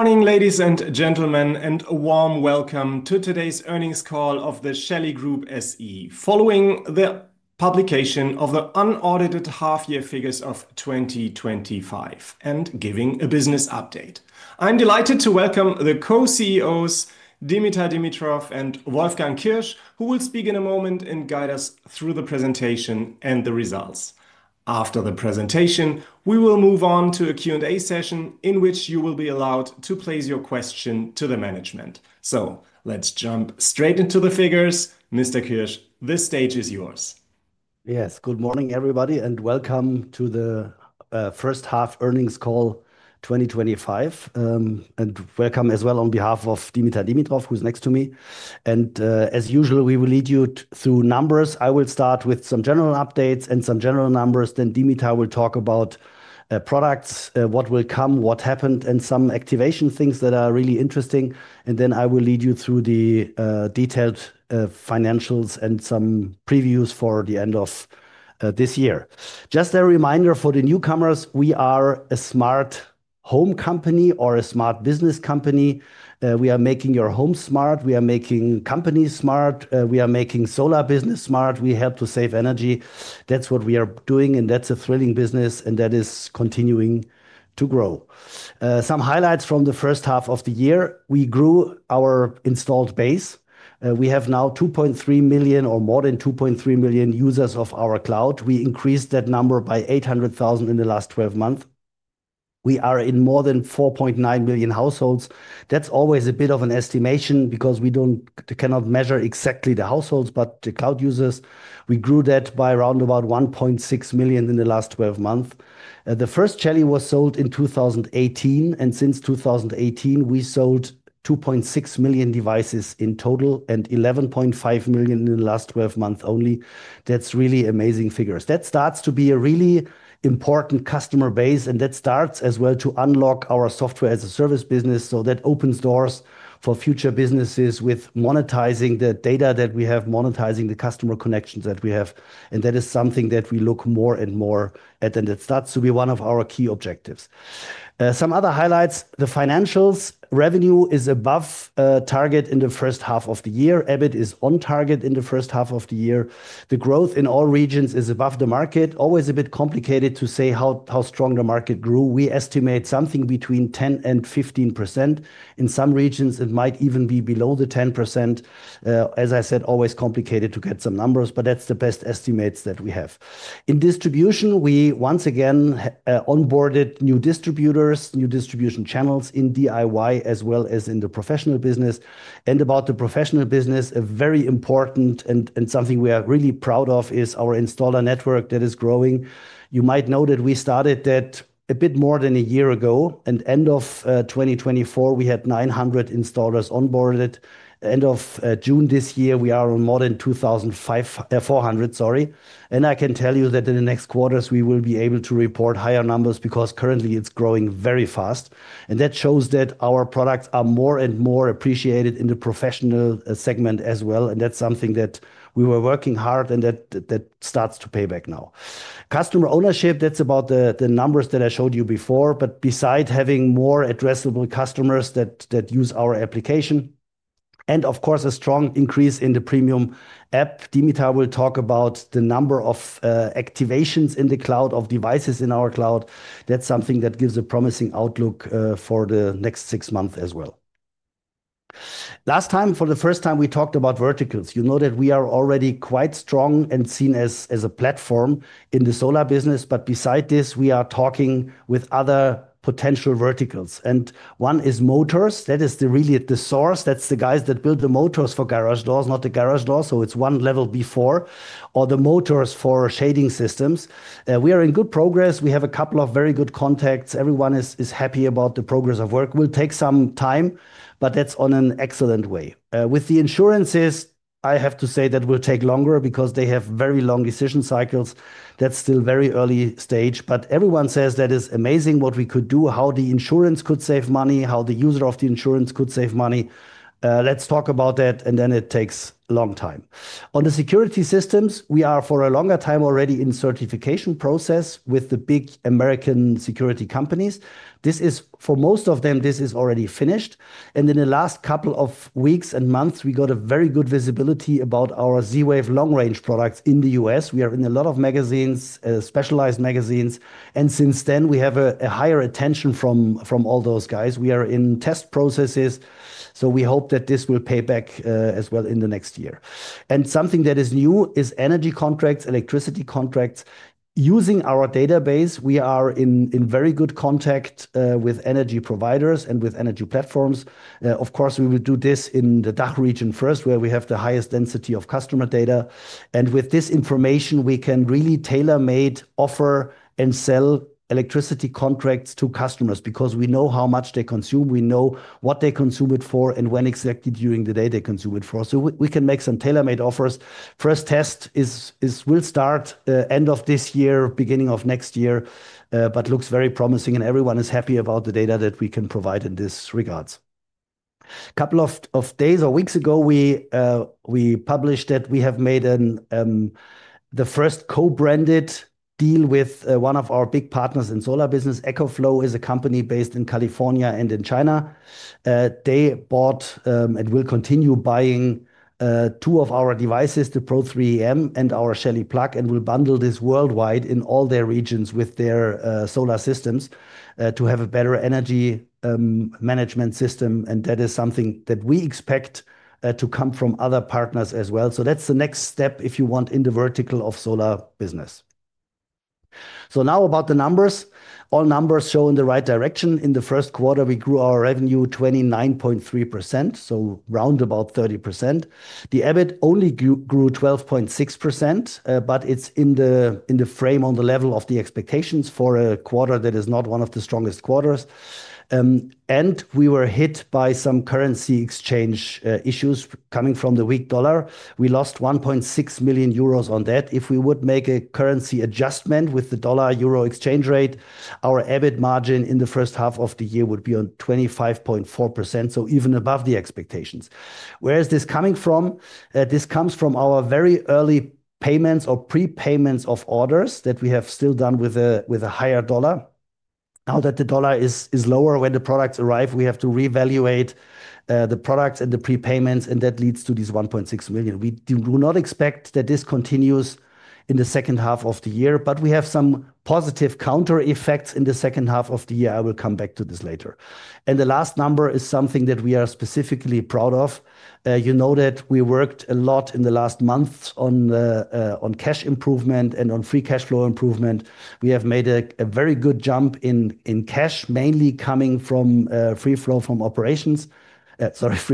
Morning, ladies and gentlemen, and a warm welcome to today's earnings call of the Shelly Group SE, following the publication of the unaudited half-year figures of 2025 and giving a business update. I'm delighted to welcome the Co-CEOs, Dimitar Dimitrov and Wolfgang Kirsch, who will speak in a moment and guide us through the presentation and the results. After the presentation, we will move on to a Q&A session in which you will be allowed to place your question to the management. Let's jump straight into the figures. Mr. Kirsch, the stage is yours. Yes, good morning, everybody, and Welcome to the first half earnings call 2025. Welcome as well on behalf of Dimitar Dimitrov, who's next to me. As usual, we will lead you through numbers. I will start with some general updates and some general numbers. Then Dimitar will talk about products, what will come, what happened, and some activation things that are really interesting. I will lead you through the detailed financials and some previews for the end of this year. Just a reminder for the newcomers, we are a smart home company or a smart business company. We are making your home smart. We are making companies smart. We are making solar businesses smart. We help to save energy. That's what we are doing, and that's a thrilling business, and that is continuing to grow. Some highlights from the first half of the year. We grew our installed base. We have now 2.3 million or more than 2.3 million users of our cloud. We increased that number by 800,000 in the last 12 months. We are in more than 4.9 million households. That's always a bit of an estimation because we cannot measure exactly the households, but the cloud users. We grew that by around about 1.6 million in the last 12 months. The first Shelly was sold in 2018, and since 2018, we sold 2.6 million devices in total and 11.5 million in the last 12 months only. That's really amazing figures. That starts to be a really important customer base, and that starts as well to unlock our software as a service business. That opens doors for future businesses with monetizing the data that we have, monetizing the customer connections that we have. That is something that we look more and more at, and that starts to be one of our key objectives. Some other highlights. The financials. Revenue is above target in the first half of the year. EBIT is on target in the first half of the year. The growth in all regions is above the market. Always a bit complicated to say how strong the market grew. We estimate something between 10% and 15%. In some regions, it might even be below the 10%. As I said, always complicated to get some numbers, but that's the best estimates that we have. In distribution, we once again onboarded new distributors, new distribution channels in DIY as well as in the professional business. About the professional business, a very important and something we are really proud of is our installer network that is growing. You might know that we started that a bit more than a year ago, and end of 2024, we had 900 installers onboarded. End of June this year, we are on more than 2,400, sorry. I can tell you that in the next quarters, we will be able to report higher numbers because currently it's growing very fast. That shows that our products are more and more appreciated in the professional segment as well. That's something that we were working hard on, and that starts to pay back now. Customer ownership, that's about the numbers that I showed you before. Besides having more addressable customers that use our application, and of course, a strong increase in the premium app, Dimitar will talk about the number of activations in the cloud of devices in our cloud. That's something that gives a promising outlook for the next six months as well. Last time, for the first time, we talked about verticals. You know that we are already quite strong and seen as a platform in the solar business. Beside this, we are talking with other potential verticals. One is motors. That is really the source. That's the guys that build the motors for garage doors, not the garage doors. It is one level before, or the motors for shading systems. We are in good progress. We have a couple of very good contacts. Everyone is happy about the progress of work. It will take some time, but that's on an excellent way. With the insurances, I have to say that will take longer because they have very long decision cycles. That's still a very early stage. Everyone says that is amazing what we could do, how the insurance could save money, how the user of the insurance could save money. Let's talk about that. It takes a long time. On the security systems, we are for a longer time already in the certification process with the big American security companies. This is for most of them, this is already finished. In the last couple of weeks and months, we got a very good visibility about our Z-Wave long-range products in the U.S. We are in a lot of magazines, specialized magazines. Since then, we have a higher attention from all those guys. We are in test processes. We hope that this will pay back as well in the next year. Something that is new is energy contracts, electricity contracts. Using our database, we are in very good contact with energy providers and with energy platforms. Of course, we will do this in the DACH region first, where we have the highest density of customer data. With this information, we can really tailor-make, offer, and sell electricity contracts to customers because we know how much they consume, we know what they consume it for, and when exactly during the day they consume it for. We can make some tailor-made offers. First test will start end of this year, beginning of next year, but looks very promising, and everyone is happy about the data that we can provide in this regard. A couple of days or weeks ago, we published that we have made the first co-branded deal with one of our big partners in the solar business. EcoFlow is a company based in California and in China. They bought and will continue buying two of our devices, the Pro 3EM and our Shelly Plug, and will bundle this worldwide in all their regions with their solar systems to have a better energy management system. That is something that we expect to come from other partners as well. That is the next step if you want in the vertical of solar business. Now about the numbers. All numbers show in the right direction. In the first quarter, we grew our revenue 29.3%, so round about 30%. The EBIT only grew 12.6%, but it's in the frame on the level of the expectations for a quarter that is not one of the strongest quarters. We were hit by some currency exchange issues coming from the weak dollar. We lost 1.6 million euros on that. If we would make a currency adjustment with the dollar euro exchange rate, our EBIT margin in the first half of the year would be on 25.4%, so even above the expectations. Where is this coming from? This comes from our very early payments or pre-payments of orders that we have still done with a higher dollar. Now that the dollar is lower when the products arrive, we have to reevaluate the products and the pre-payments, and that leads to these 1.6 million. We do not expect that this continues in the second half of the year, but we have some positive counter effects in the second half of the year. I will come back to this later. The last number is something that we are specifically proud of. You know that we worked a lot in the last months on cash improvement and on free cash flow improvement. We have made a very good jump in cash, mainly coming from free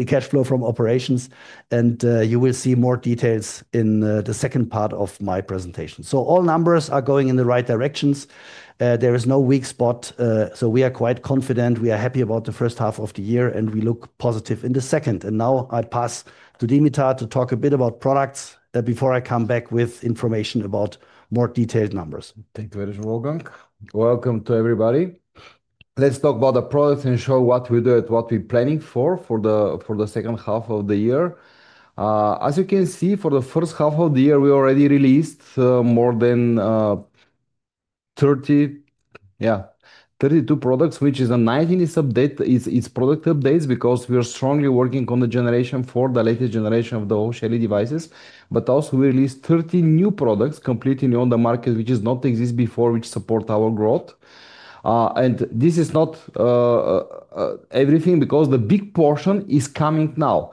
cash flow from operations. You will see more details in the second part of my presentation. All numbers are going in the right directions. There is no weak spot. We are quite confident. We are happy about the first half of the year, and we look positive in the second. I pass to Dimitar to talk a bit about products before I come back with information about more detailed numbers. Thank you, Ladies and Gentlemen. Welcome to everybody. Let's talk about the products and show what we do and what we're planning for the second half of the year. As you can see, for the first half of the year, we already released more than 30, yeah, 32 products, which is a night in its product updates because we are strongly working on the Generation 4, the latest generation of the whole Shelly devices. Also, we released 30 new products completely new on the market, which did not exist before, which support our growth. This is not everything because the big portion is coming now.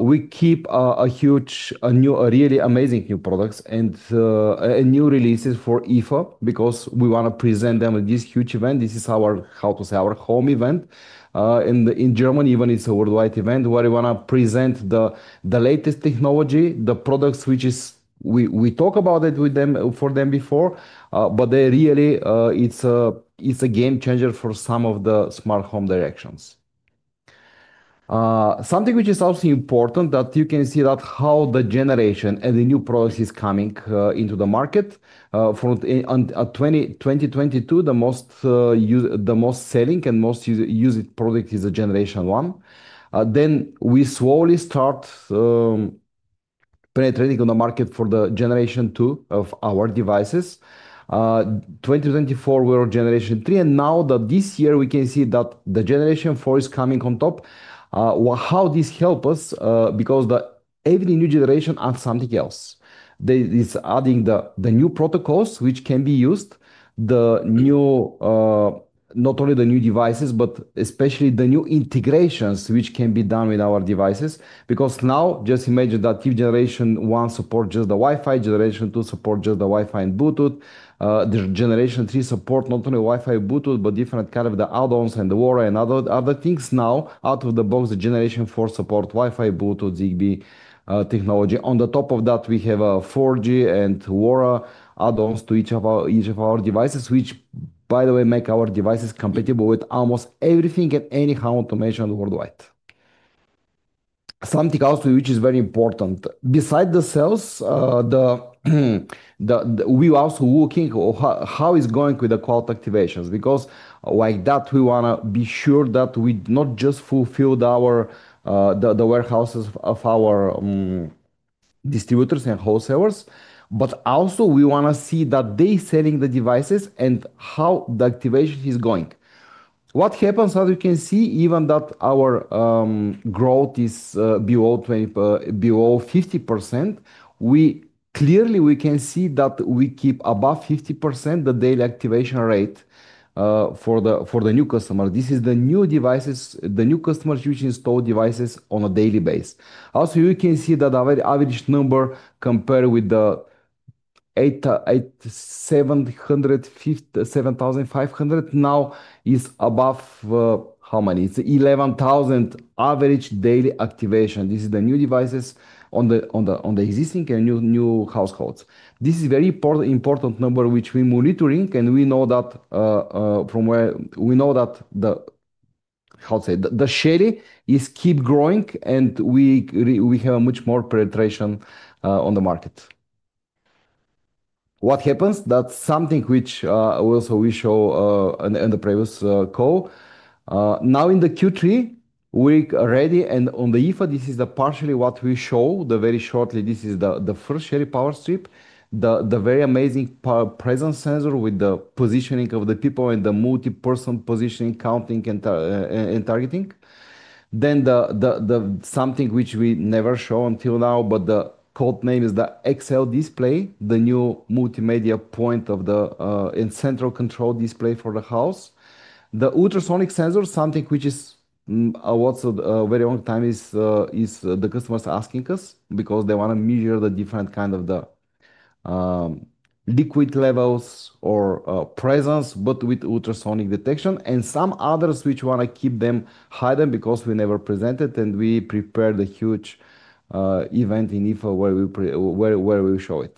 We keep a huge, a new, a really amazing new products and new releases for IFA because we want to present them at this huge event. This is our, how to say, our home event. In Germany, even it's a worldwide event where we want to present the latest technology, the products, which we talk about it with them for them before. Really, it's a game changer for some of the smart home directions. Something which is also important that you can see that how the generation and the new products are coming into the market. From 2022, the most selling and most used product is the Generation 1. Then we slowly start penetrating on the market for the Generation 2 of our devices. 2024, we're on Generation 3. Now that this year, we can see that the Generation 4 is coming on top. How this helps us because every new generation adds something else. It's adding the new protocols which can be used, not only the new devices, but especially the new integrations which can be done with our devices. Now, just imagine that if Generation 1 supports just the Wi-Fi, Generation 2 supports just the Wi-Fi and Bluetooth, Generation 3 supports not only Wi-Fi and Bluetooth, but different kinds of the add-ons and the LoRa and other things. Now, out of the box, the Generation 4 supports Wi-Fi, Bluetooth, Zigbee technology. On the top of that, we have 4G and LoRa add-ons to each of our devices, which, by the way, make our devices compatible with almost everything and any home automation worldwide. Something else which is very important. Besides the sales, we are also looking at how it's going with the cloud activations because like that, we want to be sure that we not just fulfill the warehouses of our distributors and wholesalers, but also we want to see that they're selling the devices and how the activation is going. What happens is that you can see even that our growth is below 50%. Clearly, we can see that we keep above 50% the daily activation rate for the new customers. This is the new devices, the new customers which install devices on a daily basis. Also, you can see that the average number compared with the 7,500 now is above how many? It's 11,000 average daily activation. This is the new devices on the existing and new households. This is a very important number which we're monitoring, and we know that from where we know that the, how to say, the Shelly is keep growing, and we have a much more penetration on the market. What happens is that something which also we show in the previous call. Now in the Q3, we're ready, and on the IFA, this is partially what we show. Very shortly, this is the first Shelly Power Strip, the very amazing presence sensor with the positioning of the people and the multi-person positioning, counting, and targeting. Something which we never show until now, but the code name is the XL display, the new multimedia point of the central control display for the house. The ultrasonic sensor, something which is a very long time, is the customers asking us because they want to measure the different kinds of the liquid levels or presence, but with ultrasonic detection. Some others which want to keep them hidden because we never present it, and we prepare the huge event in IFA where we show it.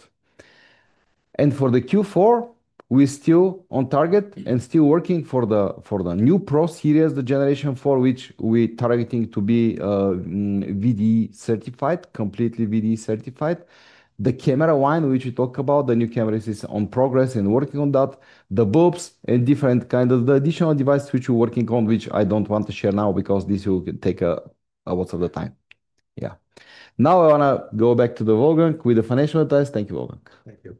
For the Q4, we're still on target and still working for the new Pro series, the Generation 4, which we're targeting to be VDE certified, completely VDE certified. The camera one, which we talk about, the new camera is in progress and working on that. The bulbs and different kinds of the additional devices which we're working on, which I don't want to share now because this will take a lot of the time. Yeah. Now I want to go back to the Wolfgang with the financial advice. Thank you, Wolfgang. Thank you.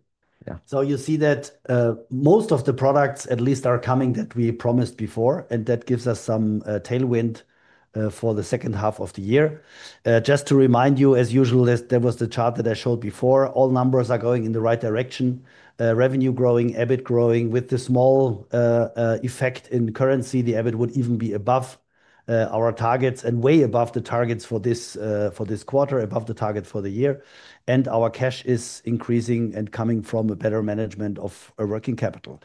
Yeah. You see that most of the products at least are coming that we promised before, and that gives us some tailwind for the second half of the year. Just to remind you, as usual, there was the chart that I showed before. All numbers are going in the right direction. Revenue growing, EBIT growing, with the small effect in currency, the EBIT would even be above our targets and way above the targets for this quarter, above the target for the year. Our cash is increasing and coming from a better management of working capital.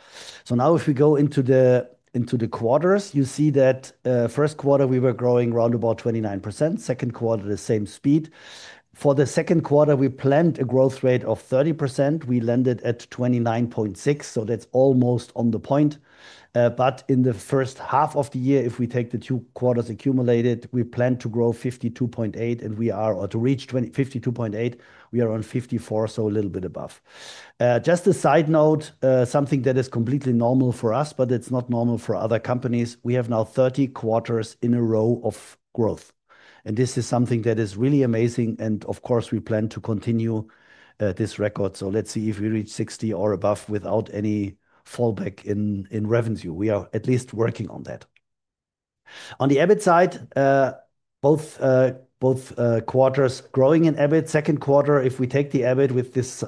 If we go into the quarters, you see that first quarter we were growing around about 29%. Second quarter, the same speed. For the second quarter, we planned a growth rate of 30%. We landed at 29.6%. That's almost on the point. In the first half of the year, if we take the two quarters accumulated, we plan to grow 52.8%, and we are, or to reach 52.8%, we are on 54%, so a little bit above. Just a side note, something that is completely normal for us, but it's not normal for other companies. We have now 30 quarters in a row of growth. This is something that is really amazing. Of course, we plan to continue this record. Let's see if we reach 60% or above without any fallback in revenue. We are at least working on that. On the EBIT side, both quarters growing in EBIT. Second quarter, if we take the EBIT with this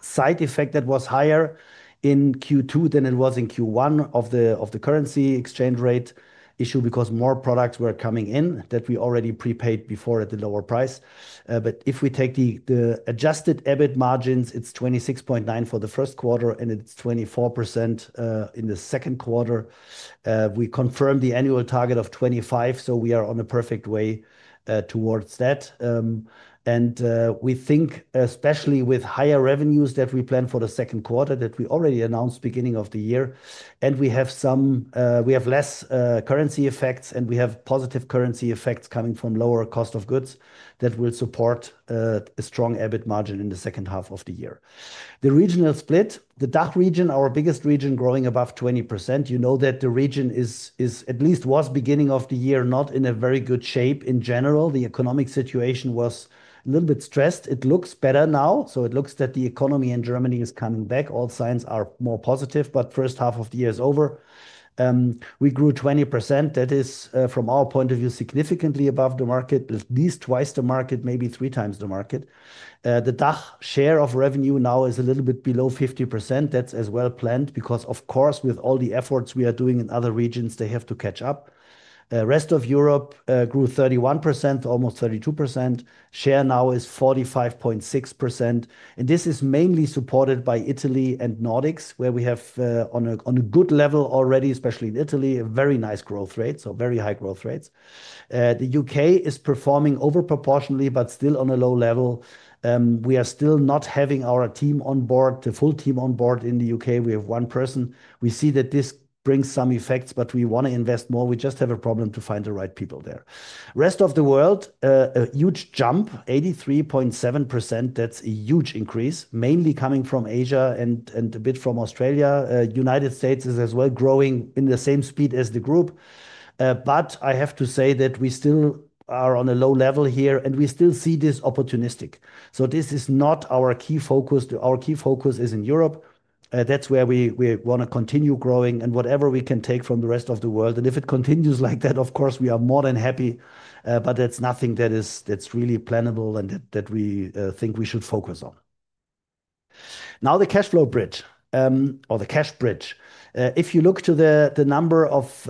side effect that was higher in Q2 than it was in Q1 of the currency exchange rate issue because more products were coming in that we already prepaid before at a lower price. If we take the adjusted EBIT margins, it's 26.9% for the first quarter, and it's 24% in the second quarter. We confirmed the annual target of 25%, so we are on a perfect way towards that. We think, especially with higher revenues that we plan for the second quarter that we already announced at the beginning of the year, and we have less currency effects, and we have positive currency effects coming from lower cost of goods that will support a strong EBIT margin in the second half of the year. The regional split, the DACH region, our biggest region growing above 20%. You know that the region is at least was at the beginning of the year not in a very good shape in general. The economic situation was a little bit stressed. It looks better now. It looks that the economy in Germany is coming back. All signs are more positive, but the first half of the year is over. We grew 20%. That is, from our point of view, significantly above the market. At least 2x the market, maybe 3x the market. The DACH share of revenue now is a little bit below 50%. That's as well-planned because, of course, with all the efforts we are doing in other regions, they have to catch up. The rest of Europe grew 31%, almost 32%. Share now is 45.6%. This is mainly supported by Italy and the Nordics, where we have on a good level already, especially in Italy, a very nice growth rate, so very high growth rates. The U.K. is performing over proportionately, but still on a low level. We are still not having our team on board, the full team on board in the U.K. We have one person. We see that this brings some effects, but we want to invest more. We just have a problem to find the right people there. The rest of the world, a huge jump, 83.7%. That's a huge increase, mainly coming from Asia and a bit from Australia. The United States is as well growing in the same speed as the group. I have to say that we still are on a low level here, and we still see this opportunistic. This is not our key focus. Our key focus is in Europe. That's where we want to continue growing and whatever we can take from the rest of the world. If it continues like that, of course, we are more than happy. That's nothing that is really plannable and that we think we should focus on. Now the cash flow bridge or the cash bridge. If you look to the number of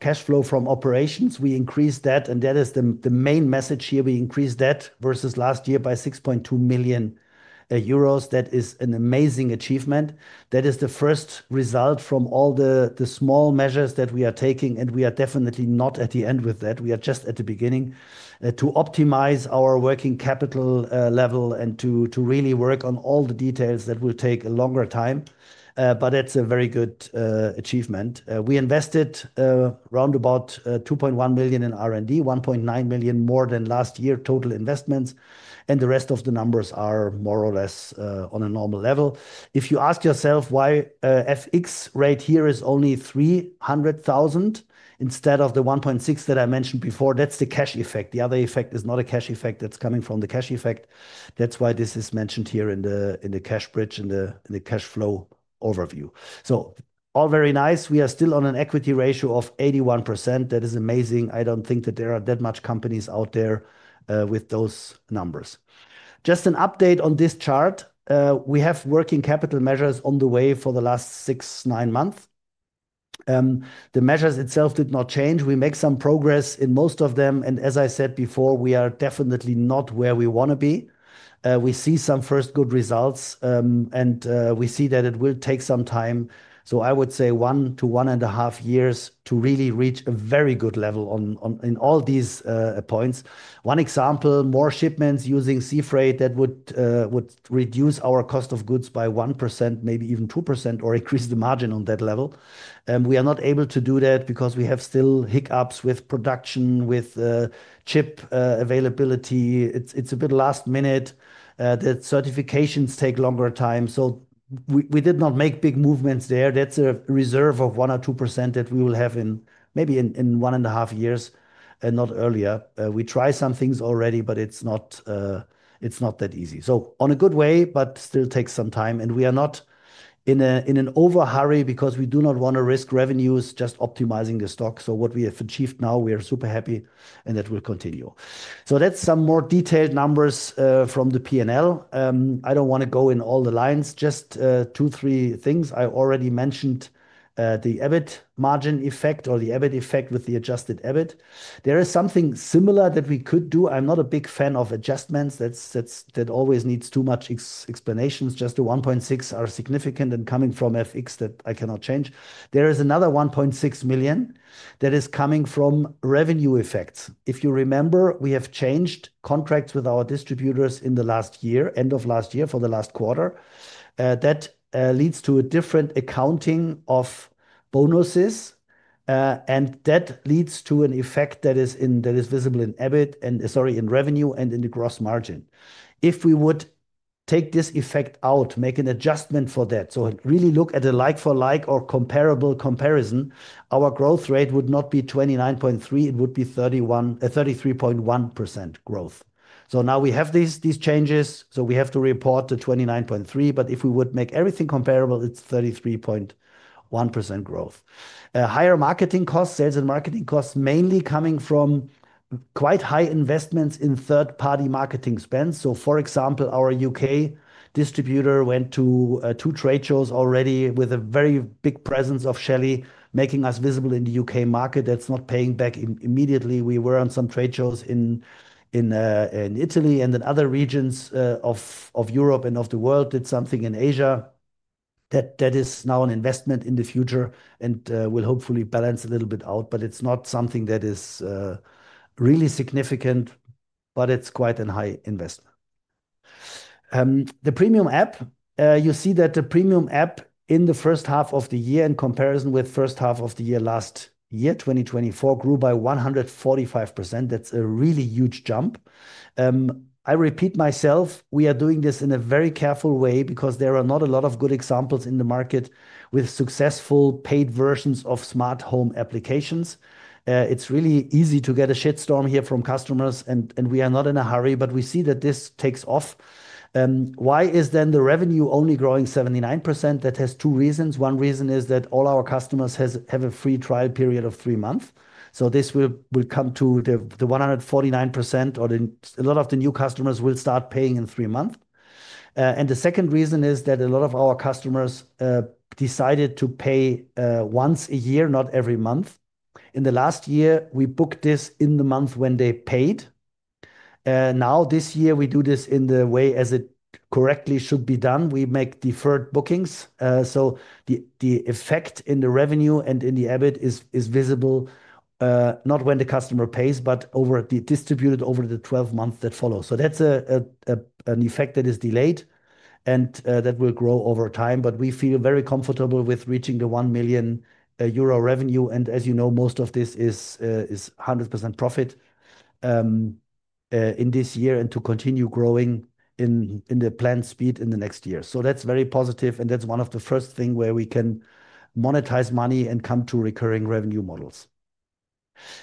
cash flow from operations, we increased that, and that is the main message here. We increased that versus last year by 6.2 million euros. That is an amazing achievement. That is the first result from all the small measures that we are taking, and we are definitely not at the end with that. We are just at the beginning to optimize our working capital level and to really work on all the details that will take a longer time. That's a very good achievement. We invested around about 2.1 million in R&D, 1.9 million more than last year total investments. The rest of the numbers are more or less on a normal level. If you ask yourself why the FX rate here is only 300,000 instead of the 1.6 million that I mentioned before, that's the cash effect. The other effect is not a cash effect that's coming from the cash effect. That's why this is mentioned here in the cash bridge in the cash flow overview. All very nice. We are still on an equity ratio of 81%. That is amazing. I don't think that there are that much companies out there with those numbers. Just an update on this chart. We have working capital measures on the way for the last six, nine months. The measures itself did not change. We made some progress in most of them. As I said before, we are definitely not where we want to be. We see some first good results, and we see that it will take some time. I would say one to one and a half years to really reach a very good level in all these points. One example, more shipments using sea freight, that would reduce our cost of goods by 1%, maybe even 2%, or increase the margin on that level. We are not able to do that because we have still hiccups with production, with chip availability. It's a bit last minute. The certifications take longer time. We did not make big movements there. That's a reserve of 1% or 2% that we will have in maybe one and a half years and not earlier. We tried some things already, but it's not that easy. On a good way, but still takes some time. We are not in an overhurry because we do not want to risk revenues just optimizing the stock. What we have achieved now, we are super happy, and that will continue. That's some more detailed numbers from the P&L. I don't want to go in all the lines. Just two, three things. I already mentioned the EBIT margin effect or the EBIT effect with the adjusted EBIT. There is something similar that we could do. I'm not a big fan of adjustments. That always needs too much explanations. Just the 1.6 are significant and coming from FX that I cannot change. There is another 1.6 million that is coming from revenue effects. If you remember, we have changed contracts with our distributors in the last year, end of last year for the last quarter. That leads to a different accounting of bonuses, and that leads to an effect that is visible in EBIT, and sorry, in revenue and in the gross margin. If we would take this effect out, make an adjustment for that, so really look at a like-for-like or comparable comparison, our growth rate would not be 29.3%. It would be 33.1% growth. Now we have these changes, so we have to report the 29.3%, but if we would make everything comparable, it's 33.1% growth. Higher marketing costs, sales and marketing costs, mainly coming from quite high investments in third-party marketing spends. For example, our U.K. distributor went to two trade shows already with a very big presence of Shelly, making us visible in the U.K. market. That's not paying back immediately. We were on some trade shows in Italy and in other regions of Europe and of the world, did something in Asia. That is now an investment in the future and will hopefully balance a little bit out, but it's not something that is really significant, but it's quite a high investment. The premium app, you see that the premium app in the first half of the year in comparison with the first half of the year last year, 2024, grew by 145%. That's a really huge jump. I repeat myself, we are doing this in a very careful way because there are not a lot of good examples in the market with successful paid versions of smart home applications. It's really easy to get a shitstorm here from customers, and we are not in a hurry, but we see that this takes off. Why is then the revenue only growing 79%? That has two reasons. One reason is that all our customers have a free trial period of three months. This will come to the 149% or a lot of the new customers will start paying in three months. The second reason is that a lot of our customers decided to pay once a year, not every month. In the last year, we booked this in the month when they paid. Now, this year, we do this in the way as it correctly should be done. We make deferred bookings. The effect in the revenue and in the EBIT is visible, not when the customer pays, but distributed over the 12 months that follow. That's an effect that is delayed and that will grow over time, but we feel very comfortable with reaching the 1 million euro revenue. As you know, most of this is 100% profit in this year and to continue growing in the planned speed in the next year. That's very positive, and that's one of the first things where we can monetize money and come to recurring revenue models.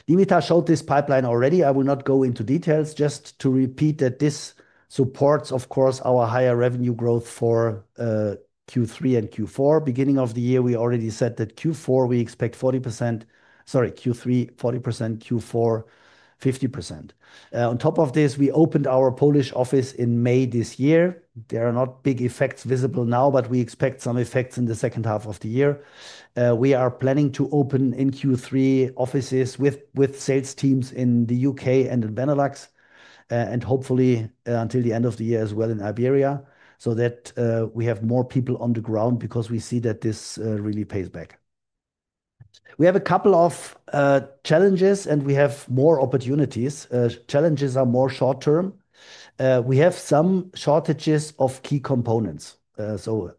Dimitar showed this pipeline already. I will not go into details, just to repeat that this supports, of course, our higher revenue growth for Q3 and Q4. Beginning of the year, we already said that Q4 we expect 40%, sorry, Q3 40%, Q4 50%. On top of this, we opened our Polish office in May this year. There are not big effects visible now, but we expect some effects in the second half of the year. We are planning to open in Q3 offices with sales teams in the U.K. and in Benelux, and hopefully until the end of the year as well in Iberia, so that we have more people on the ground because we see that this really pays back. We have a couple of challenges, and we have more opportunities. Challenges are more short-term. We have some shortages of key components.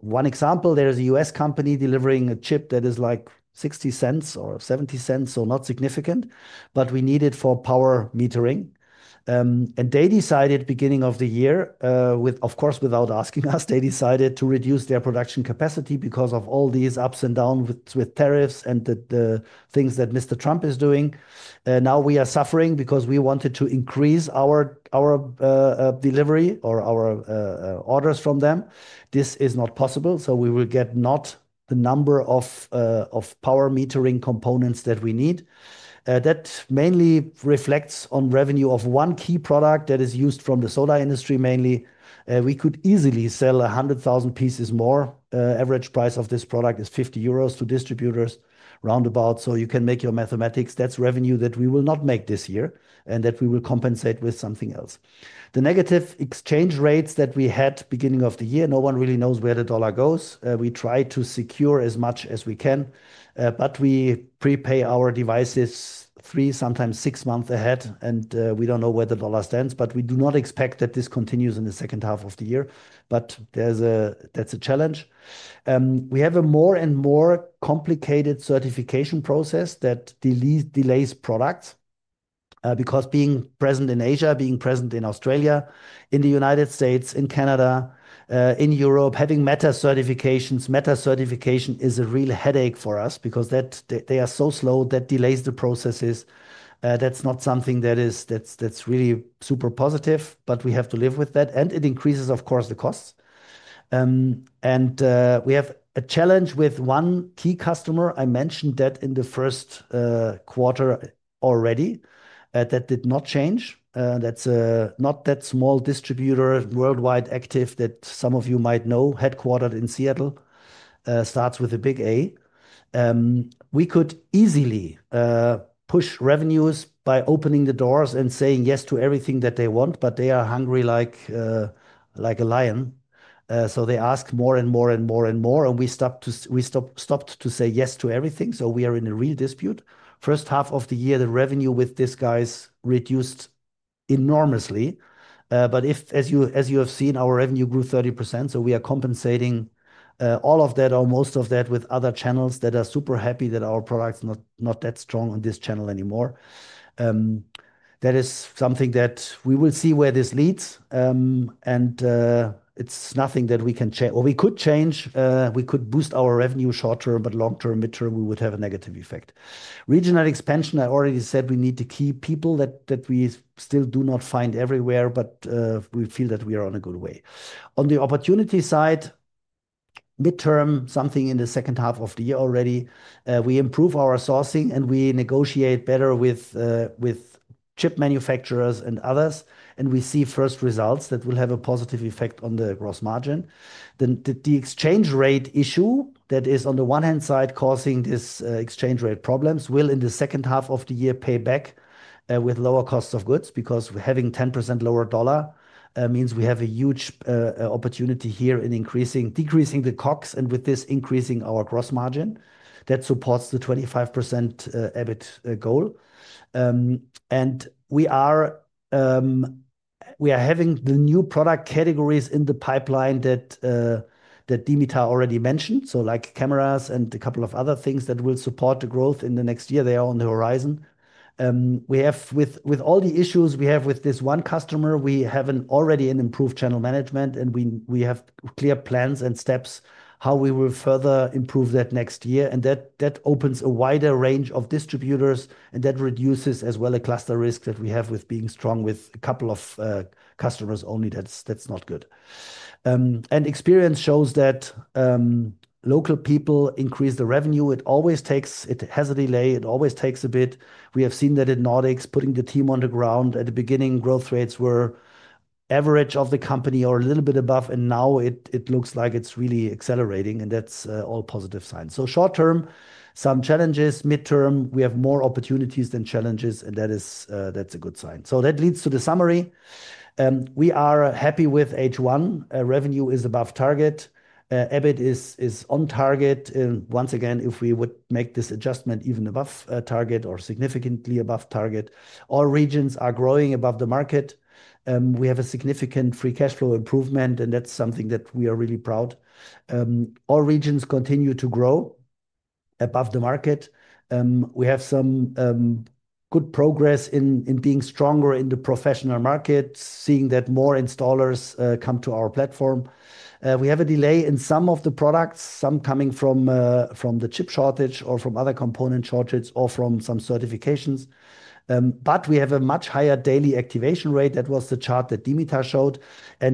One example, there is a U.S. company delivering a chip that is like 0.60 or 0.70, so not significant, but we need it for power metering. They decided at the beginning of the year, of course, without asking us, to reduce their production capacity because of all these ups and downs with tariffs and the things that Mr. Trump is doing. Now we are suffering because we wanted to increase our delivery or our orders from them. This is not possible, so we will get not the number of power metering components that we need. That mainly reflects on revenue of one key product that is used from the solar industry mainly. We could easily sell 100,000 pieces more. The average price of this product is 50 euros to distributors, roundabout. You can make your mathematics. That's revenue that we will not make this year and that we will compensate with something else. The negative exchange rates that we had at the beginning of the year, no one really knows where the dollar goes. We try to secure as much as we can, but we prepay our devices three, sometimes six months ahead, and we don't know where the dollar stands, but we do not expect that this continues in the second half of the year, but that's a challenge. We have a more and more complicated certification process that delays products because being present in Asia, being present in Australia, in the United States, in Canada, in Europe, having Meta certifications, Meta certification is a real headache for us because they are so slow. That delays the processes. That's not something that is really super positive, but we have to live with that, and it increases, of course, the costs. We have a challenge with one key customer. I mentioned that in the first quarter already, that did not change. That's not that small distributor worldwide active that some of you might know, headquartered in Seattle, starts with a big A. We could easily push revenues by opening the doors and saying yes to everything that they want, but they are hungry like a lion. They ask more and more and more and more, and we stopped to say yes to everything. We are in a real dispute. First half of the year, the revenue with these guys reduced enormously. As you have seen, our revenue grew 30%, so we are compensating all of that or most of that with other channels that are super happy that our product is not that strong on this channel anymore. That is something that we will see where this leads, and it's nothing that we can change, or we could change. We could boost our revenue short-term, but long-term, midterm, we would have a negative effect. Regional expansion, I already said we need the key people that we still do not find everywhere, but we feel that we are on a good way. On the opportunity side, midterm, something in the second half of the year already, we improve our sourcing and we negotiate better with chip manufacturers and others, and we see first results that will have a positive effect on the gross margin. The exchange rate issue that is on the one-hand side causing these exchange rate problems will, in the second half of the year, pay back with lower costs of goods because having 10% lower dollar means we have a huge opportunity here in decreasing the COGS and with this increasing our gross margin that supports the 25% EBIT goal. We are having the new product categories in the pipeline that Dimitar already mentioned, like cameras and a couple of other things that will support the growth in the next year. They are on the horizon. With all the issues we have with this one customer, we have already an improved channel management, and we have clear plans and steps how we will further improve that next year. That opens a wider range of distributors, and that reduces as well a cluster risk that we have with being strong with a couple of customers only. That's not good. Experience shows that local people increase the revenue. It always takes, it has a delay. It always takes a bit. We have seen that in Nordics, putting the team on the ground at the beginning, growth rates were average of the company or a little bit above, and now it looks like it's really accelerating, and that's all positive signs. Short-term, some challenges. Midterm, we have more opportunities than challenges, and that's a good sign. That leads to the summary. We are happy with H1. Revenue is above target. EBIT is on target. Once again, if we would make this adjustment even above target or significantly above target, all regions are growing above the market. We have a significant free cash flow improvement, and that's something that we are really proud. All regions continue to grow above the market. We have some good progress in being stronger in the professional market, seeing that more installers come to our platform. We have a delay in some of the products, some coming from the chip shortage or from other component shortages or from some certifications. We have a much higher daily activation rate. That was the chart that Dimitar showed.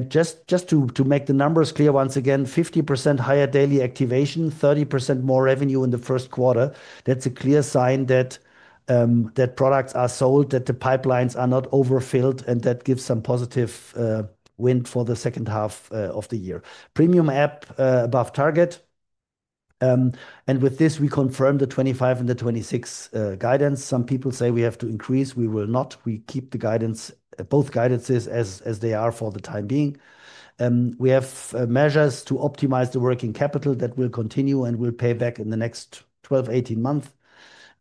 Just to make the numbers clear, once again, 50% higher daily activation, 30% more revenue in the first quarter. That's a clear sign that products are sold, that the pipelines are not overfilled, and that gives some positive wind for the second half of the year. Premium app above target. With this, we confirm the 25% and the 26% guidance. Some people say we have to increase. We will not. We keep both guidances as they are for the time being. We have measures to optimize the working capital that will continue and will pay back in the next 12-18 months.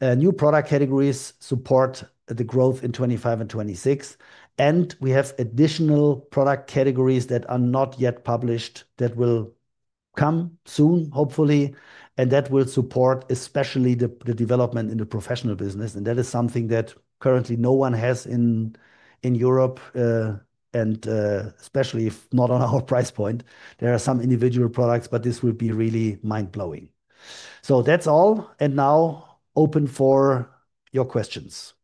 New product categories support the growth in 25% and 26%. We have additional product categories that are not yet published that will come soon, hopefully, and that will support especially the development in the professional business. That is something that currently no one has in Europe, and especially if not on our price point. There are some individual products, but this will be really mind-blowing. That's all. Now open for your questions.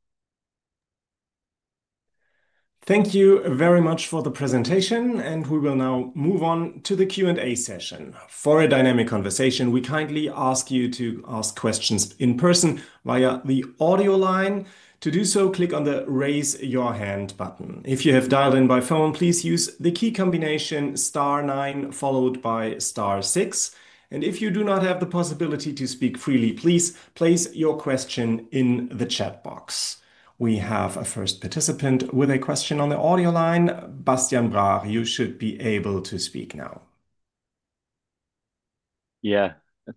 Thank you very much for the presentation, and we will now move on to the Q&A session. For a dynamic conversation, we kindly ask you to ask questions in person via the audio line. To do so, click on the "Raise Your Hand" button. If you have dialed in by phone, please use the key combination star nine followed by star six. If you do not have the possibility to speak freely, please place your question in the chat box. We have a first participant with a question on the audio line. Bastian Brach, you should be able to speak now.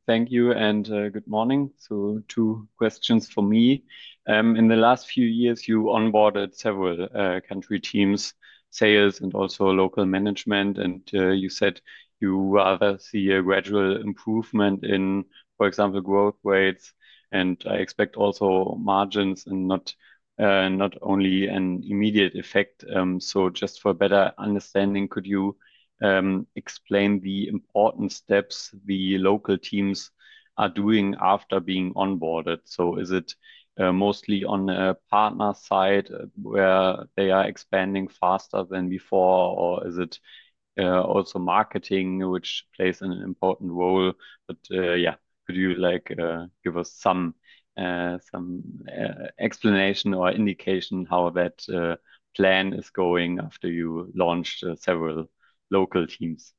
Thank you and good morning. Two questions for me. In the last few years, you onboarded several country teams, sales, and also local management. You said you rather see a gradual improvement in, for example, growth rates, and I expect also margins and not only an immediate effect. Just for better understanding, could you explain the important steps the local teams are doing after being onboarded? Is it mostly on the partner side where they are expanding faster than before, or is it also marketing which plays an important role? Could you give us some explanation or indication how that plan is going after you launched several local teams?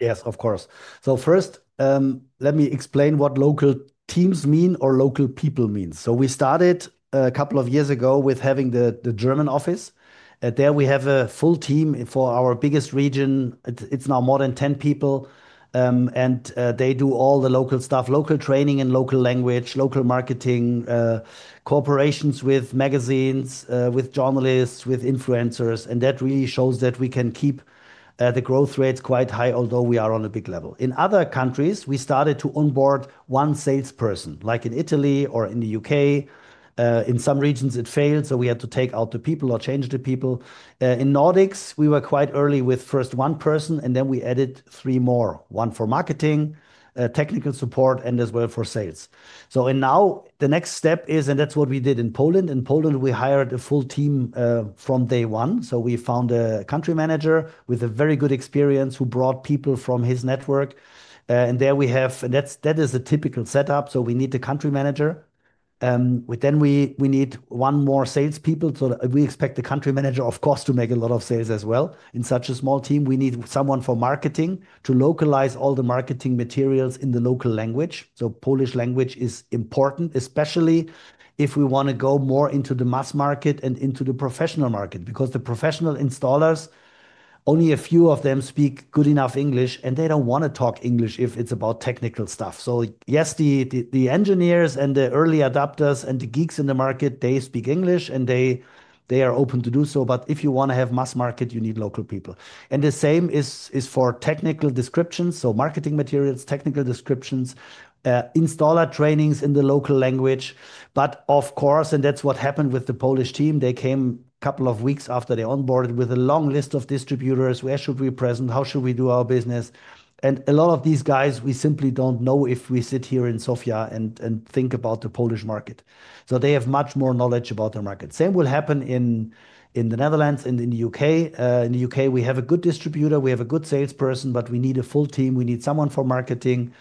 Yes, of course. First, let me explain what local teams mean or local people mean. We started a couple of years ago with having the German office. There we have a full team for our biggest region. It's now more than 10 people, and they do all the local stuff, local training and local language, local marketing, cooperations with magazines, with journalists, with influencers. That really shows that we can keep the growth rates quite high, although we are on a big level. In other countries, we started to onboard one salesperson, like in Italy or in the U.K. In some regions, it failed, so we had to take out the people or change the people. In Nordics, we were quite early with first one person, and then we added three more, one for marketing, technical support, and as well for sales. The next step is, and that's what we did in Poland. In Poland, we hired a full team from day one. We found a country manager with very good experience who brought people from his network. There we have, and that is a typical setup. We need the country manager. Then we need one more salesperson. We expect the country manager, of course, to make a lot of sales as well. In such a small team, we need someone for marketing to localize all the marketing materials in the local language. Polish language is important, especially if we want to go more into the mass market and into the professional market because the professional installers, only a few of them speak good enough English, and they don't want to talk English if it's about technical stuff. The engineers and the early adopters and the geeks in the market, they speak English, and they are open to do so. If you want to have mass market, you need local people. The same is for technical descriptions. Marketing materials, technical descriptions, installer trainings in the local language. Of course, and that's what happened with the Polish team. They came a couple of weeks after they onboarded with a long list of distributors. Where should we present? How should we do our business? A lot of these guys, we simply don't know if we sit here in Sofia and think about the Polish market. They have much more knowledge about our market. The same will happen in the Netherlands and in the U.K. In the U.K., we have a good distributor. We have a good salesperson, but we need a full team. We need someone for marketing,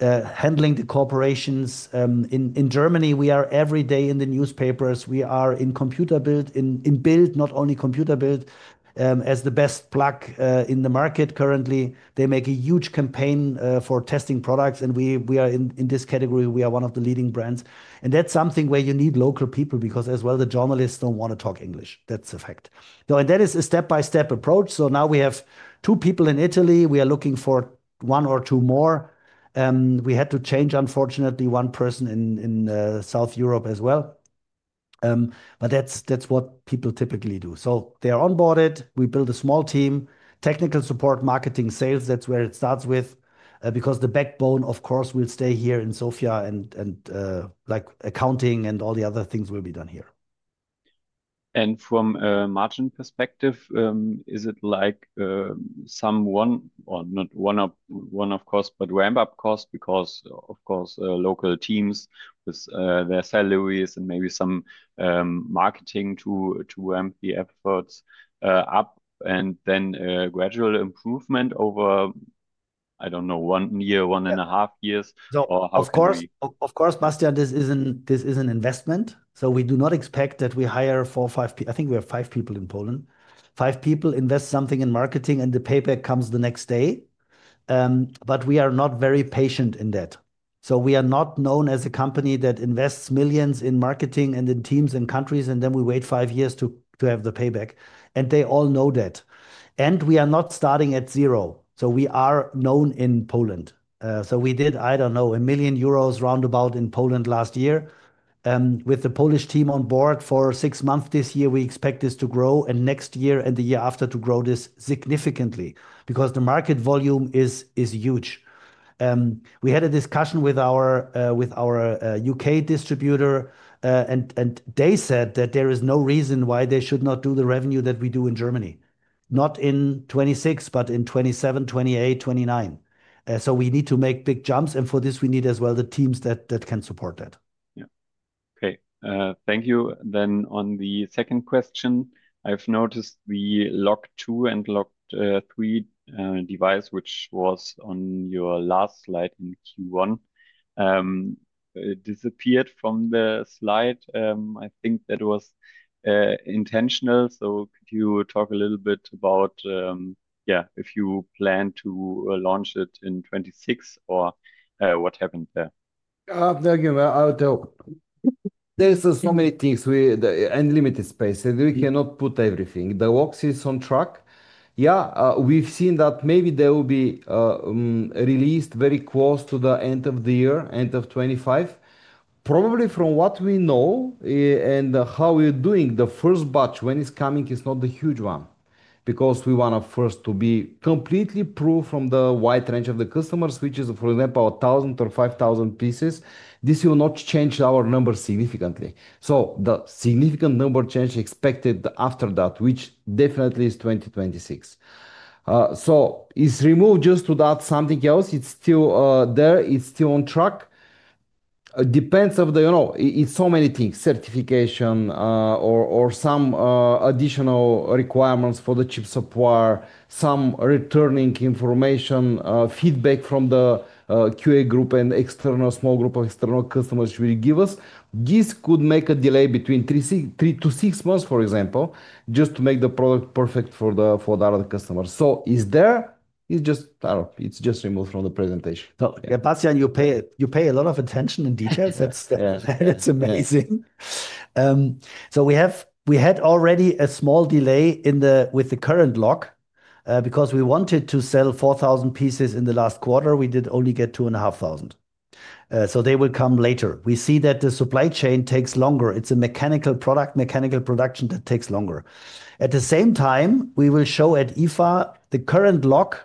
handling the cooperations. In Germany, we are every day in the newspapers. We are in computer build, in build, not only computer build, as the best plug in the market currently. They make a huge campaign for testing products, and we are in this category. We are one of the leading brands. That is something where you need local people because as well the journalists don't want to talk English. That's a fact. That is a step-by-step approach. Now we have two people in Italy. We are looking for one or two more. We had to change, unfortunately, one person in South Europe as well. That's what people typically do. They're onboarded. We build a small team, technical support, marketing, sales. That's where it starts with because the backbone, of course, will stay here in Sofia, and like accounting and all the other things will be done here. From a margin perspective, is it like someone, or not one of cost, but ramp up cost because, of course, local teams with their salaries and maybe some marketing to ramp the efforts up and then gradual improvement over, I don't know, one year, one and a half years? Of course, Bastian, this is an investment. We do not expect that we hire four or five people. I think we have five people in Poland. Five people invest something in marketing, and the payback comes the next day. We are not very patient in that. We are not known as a company that invests millions in marketing and in teams and countries, and then we wait five years to have the payback. They all know that. We are not starting at zero. We are known in Poland. We did, I don't know, 1 million euros roundabout in Poland last year. With the Polish team on board for six months this year, we expect this to grow, and next year and the year after to grow this significantly because the market volume is huge. We had a discussion with our U.K. distributor, and they said that there is no reason why they should not do the revenue that we do in Germany, not in 2026, but in 2027, 2028, 2029. We need to make big jumps, and for this, we need as well the teams that can support that. Thank you. On the second question, I've noticed the log two and log three device, which was on your last slide in Q1, disappeared from the slide. I think that was intentional. Could you talk a little bit about if you plan to launch it in 2026 or what happened there? Thank you. There are so many things, the unlimited space, and we cannot put everything. The works is on track. We've seen that maybe they will be released very close to the end of the year, end of 2025. Probably from what we know and how we're doing, the first batch, when it's coming, it's not the huge one because we want to first be completely proof from the wide range of the customers, which is, for example, 1,000 or 5,000 pieces. This will not change our numbers significantly. The significant number change is expected after that, which definitely is 2026. It's removed just to add something else. It's still there. It's still on track. It depends on the, you know, it's so many things, certification, or some additional requirements for the chip supplier, some returning information, feedback from the QA group and external small group of external customers will give us. This could make a delay between three to six months, for example, just to make the product perfect for the other customers. It's there. It's just, I don't know, it's just removed from the presentation. Bastian, you pay a lot of attention to details. That's amazing. We had already a small delay with the current lock because we wanted to sell 4,000 pieces in the last quarter. We did only get 2,500. They will come later. We see that the supply chain takes longer. It's a mechanical product, mechanical production that takes longer. At the same time, we will show at IFA the current lock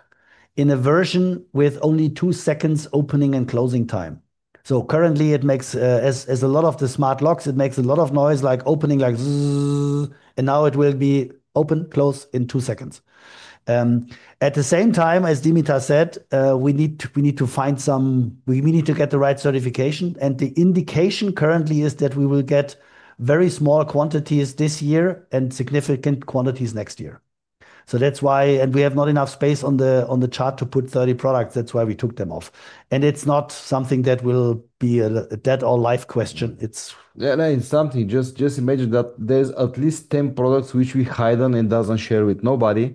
in a version with only two seconds opening and closing time. Currently, it makes, as a lot of the smart locks, it makes a lot of noise, like opening, like zzzzzz, and now it will be open, close in two seconds. At the same time, as Dimitar said, we need to find some, we need to get the right certification. The indication currently is that we will get very small quantities this year and significant quantities next year. That's why we have not enough space on the chart to put 30 products. That's why we took them off. It's not something that will be a dead or life question. Yeah, no, it's something. Just imagine that there's at least 10 products which we hide and don't share with nobody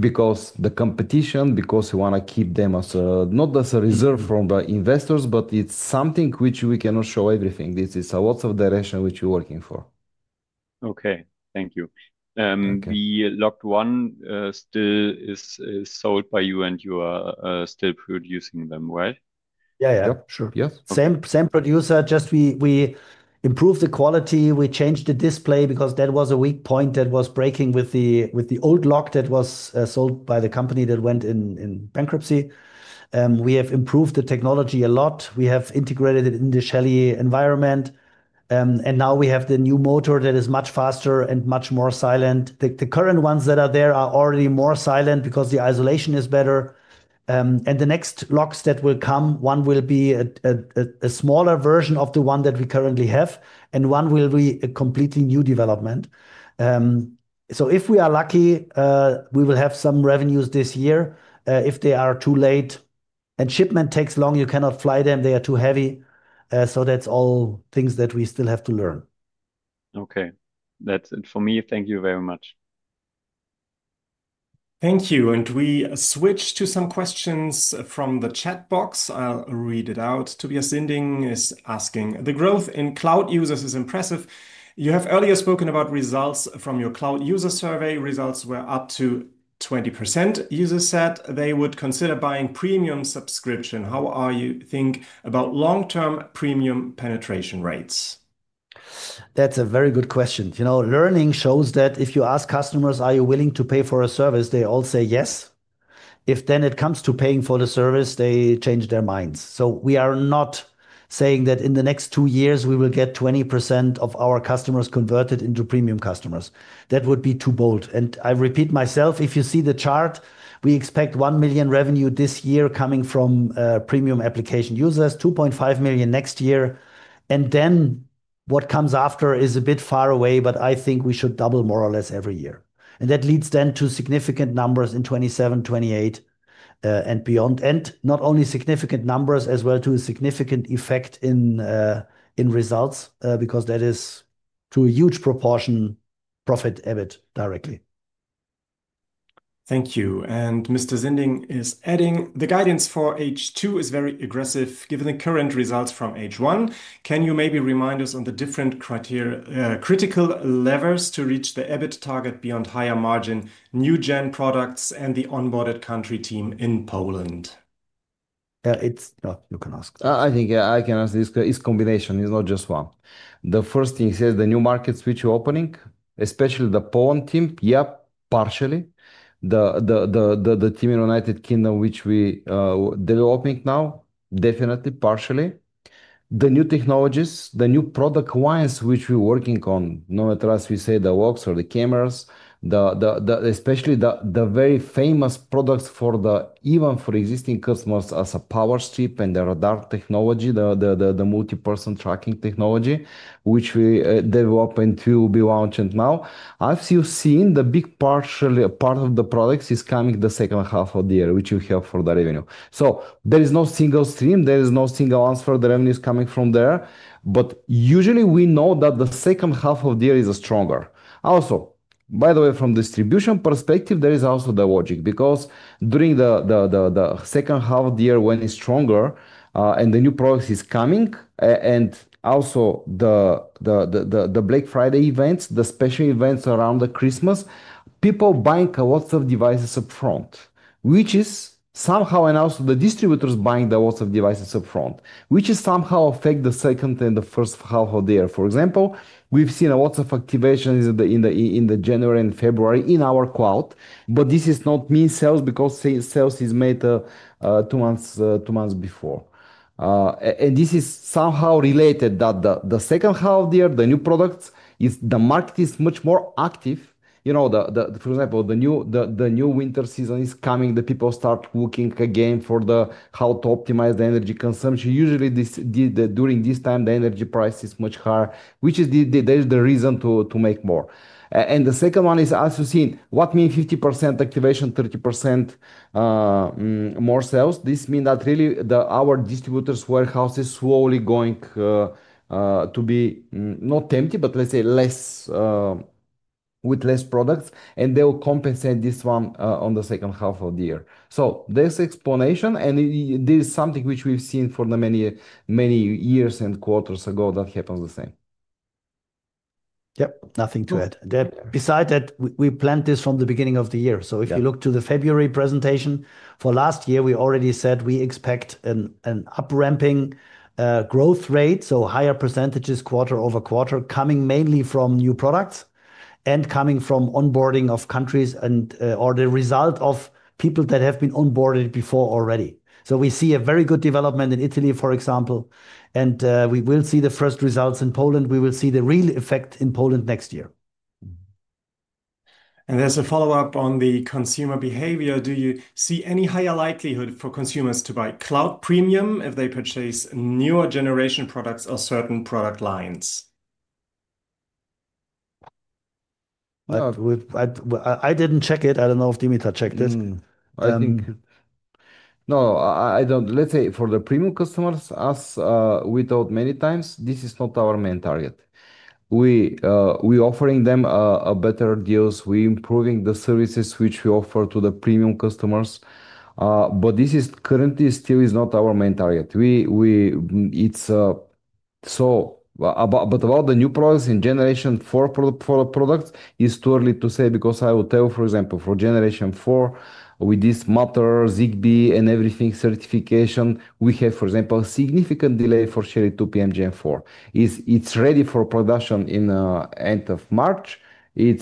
because of the competition, because we want to keep them as not as a reserve from the investors, but it's something which we cannot show everything. This is a lot of direction which we're working for. Okay. Thank you. The locked one still is sold by you, and you are still producing them, right? Yeah, sure. Same producer, just we improved the quality. We changed the display because that was a weak point that was breaking with the old lock that was sold by the company that went in bankruptcy. We have improved the technology a lot. We have integrated it in the Shelly environment. Now we have the new motor that is much faster and much more silent. The current ones that are there are already more silent because the isolation is better. The next locks that will come, one will be a smaller version of the one that we currently have, and one will be a completely new development. If we are lucky, we will have some revenues this year. If they are too late and shipment takes long, you cannot fly them. They are too heavy. That's all things that we still have to learn. Okay, that's it for me. Thank you very much. Thank you. We switch to some questions from the chat box. I'll read it out. Tobias [Zinding] is asking, "The growth in cloud users is impressive. You have earlier spoken about results from your cloud user survey. Results were up to 20%. Users said they would consider buying premium subscription. How do you think about long-term premium penetration rates?" That's a very good question. You know, learning shows that if you ask customers, "Are you willing to pay for a service?" they all say yes. If it comes to paying for the service, they change their minds. We are not saying that in the next two years we will get 20% of our customers converted into premium customers. That would be too bold. I repeat myself, if you see the chart, we expect 1 million revenue this year coming from premium application users, 2.5 million next year. What comes after is a bit far away, but I think we should double more or less every year. That leads to significant numbers in 2027, 2028, and beyond. Not only significant numbers, as well to a significant effect in results because that is to a huge proportion profit EBIT directly. Thank you. Mr. Zinding is adding, "The guidance for H2 is very aggressive given the current results from H1. Can you maybe remind us on the different critical levers to reach the EBIT target beyond higher margin, new gen products, and the onboarded country team in Poland? I think I can answer this. It's a combination. It's not just one. The first thing is the new markets which you're opening, especially the Poland team. Yep, partially. The team in the United Kingdom which we are developing now, definitely partially. The new technologies, the new product lines which we're working on. Not as we say the works or the cameras, especially the very famous products for the even for existing customers as a power strip and the radar technology, the multi-person tracking technology which we develop and will be launching now. I've still seen the big part of the products is coming the second half of the year which you have for the revenue. There is no single stream. There is no single answer for the revenue is coming from there. Usually, we know that the second half of the year is stronger. Also, by the way, from a distribution perspective, there is also the logic because during the second half of the year when it's stronger and the new products are coming, and also the Black Friday events, the special events around the Christmas, people are buying lots of devices upfront, which is somehow announced to the distributors buying the lots of devices upfront, which is somehow affects the second and the first half of the year. For example, we've seen lots of activations in the January and February in our cloud, but this does not mean sales because sales is made two months before. This is somehow related that the second half of the year, the new products, the market is much more active. You know, for example, the new winter season is coming. The people start looking again for how to optimize the energy consumption. Usually, during this time, the energy price is much higher, which is the reason to make more. The second one is, as you've seen, what means 50% activation, 30% more sales. This means that really our distributors' warehouse is slowly going to be not empty, but let's say less with less products, and they will compensate this one on the second half of the year. There's explanation, and this is something which we've seen for the many, many years and quarters ago that happens the same. Yep. Nothing to add. Besides that, we planned this from the beginning of the year. If you look to the February presentation for last year, we already said we expect an upramping growth rate, so higher percentages quarter-over-quarter, coming mainly from new products and coming from onboarding of countries or the result of people that have been onboarded before already. We see a very good development in Italy, for example, and we will see the first results in Poland. We will see the real effect in Poland next year. There's a follow-up on the consumer behavior. Do you see any higher likelihood for consumers to buy cloud premium if they purchase newer generation products or certain product lines? I didn't check it. I don't know if Dimitar checked this. No, I don't. Let's say for the premium customers, as we thought many times, this is not our main target. We're offering them better deals. We're improving the services which we offer to the premium customers, but this currently still is not our main target. About the new products in Generation 4 products, it's too early to say because I will tell you, for example, for Generation 4, with this Matter, Zigbee, and everything certification, we have, for example, a significant delay for Shelly 2PM Gen4. It's ready for production in the end of March. From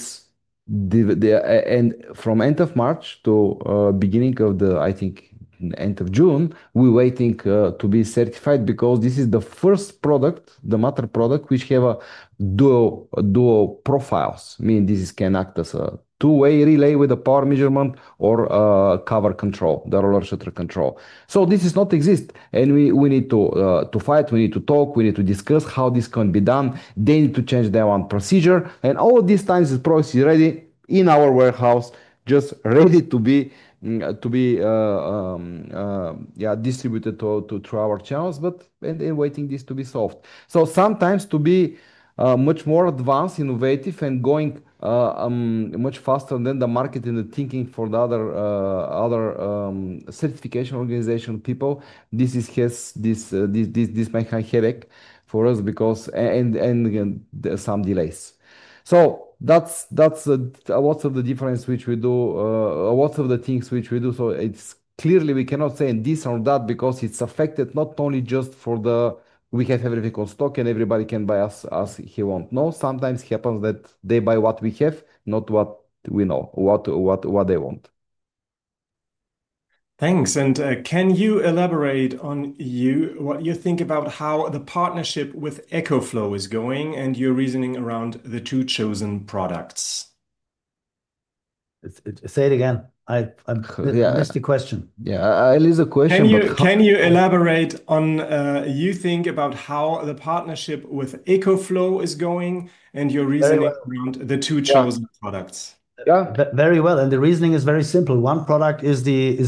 the end of March to the beginning of the, I think, end of June, we're waiting to be certified because this is the first product, the Matter product, which has dual profiles. Meaning this can act as a two-way relay with a power measurement or a cover control, the roller shutter control. This does not exist. We need to fight. We need to talk. We need to discuss how this can be done. They need to change their own procedure. All of these times, this product is ready in our warehouse, just ready to be, yeah, distributed through our channels, but they're waiting for this to be solved. Sometimes to be much more advanced, innovative, and going much faster than the market and the thinking for the other certification organization people, this might have a headache for us because, again, some delays. That's a lot of the difference which we do, a lot of the things which we do. Clearly, we cannot say this or that because it's affected not only just for the we have everything on stock and everybody can buy us as he wants. Sometimes it happens that they buy what we have, not what we know, what they want. Thanks. Can you elaborate on what you think about how the partnership with EcoFlow is going and your reasoning around the two chosen products? Say it again. I really missed the question. Yeah, it is a question. Can you elaborate on how you think about how the partnership with EcoFlow is going and your reasoning around the two chosen products? Yeah. Very well. The reasoning is very simple. One product is the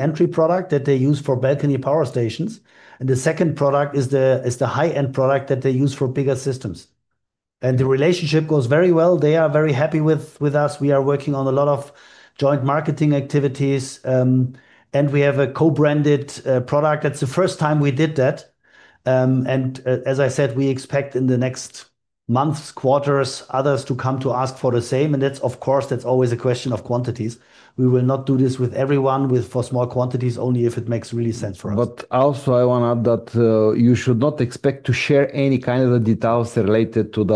entry product that they use for balcony power stations, and the second product is the high-end product that they use for bigger systems. The relationship goes very well. They are very happy with us. We are working on a lot of joint marketing activities, and we have a co-branded product. That's the first time we did that. As I said, we expect in the next months, quarters, others to come to ask for the same. Of course, that's always a question of quantities. We will not do this with everyone for small quantities, only if it makes really sense for us. I want to add that you should not expect to share any kind of the details related to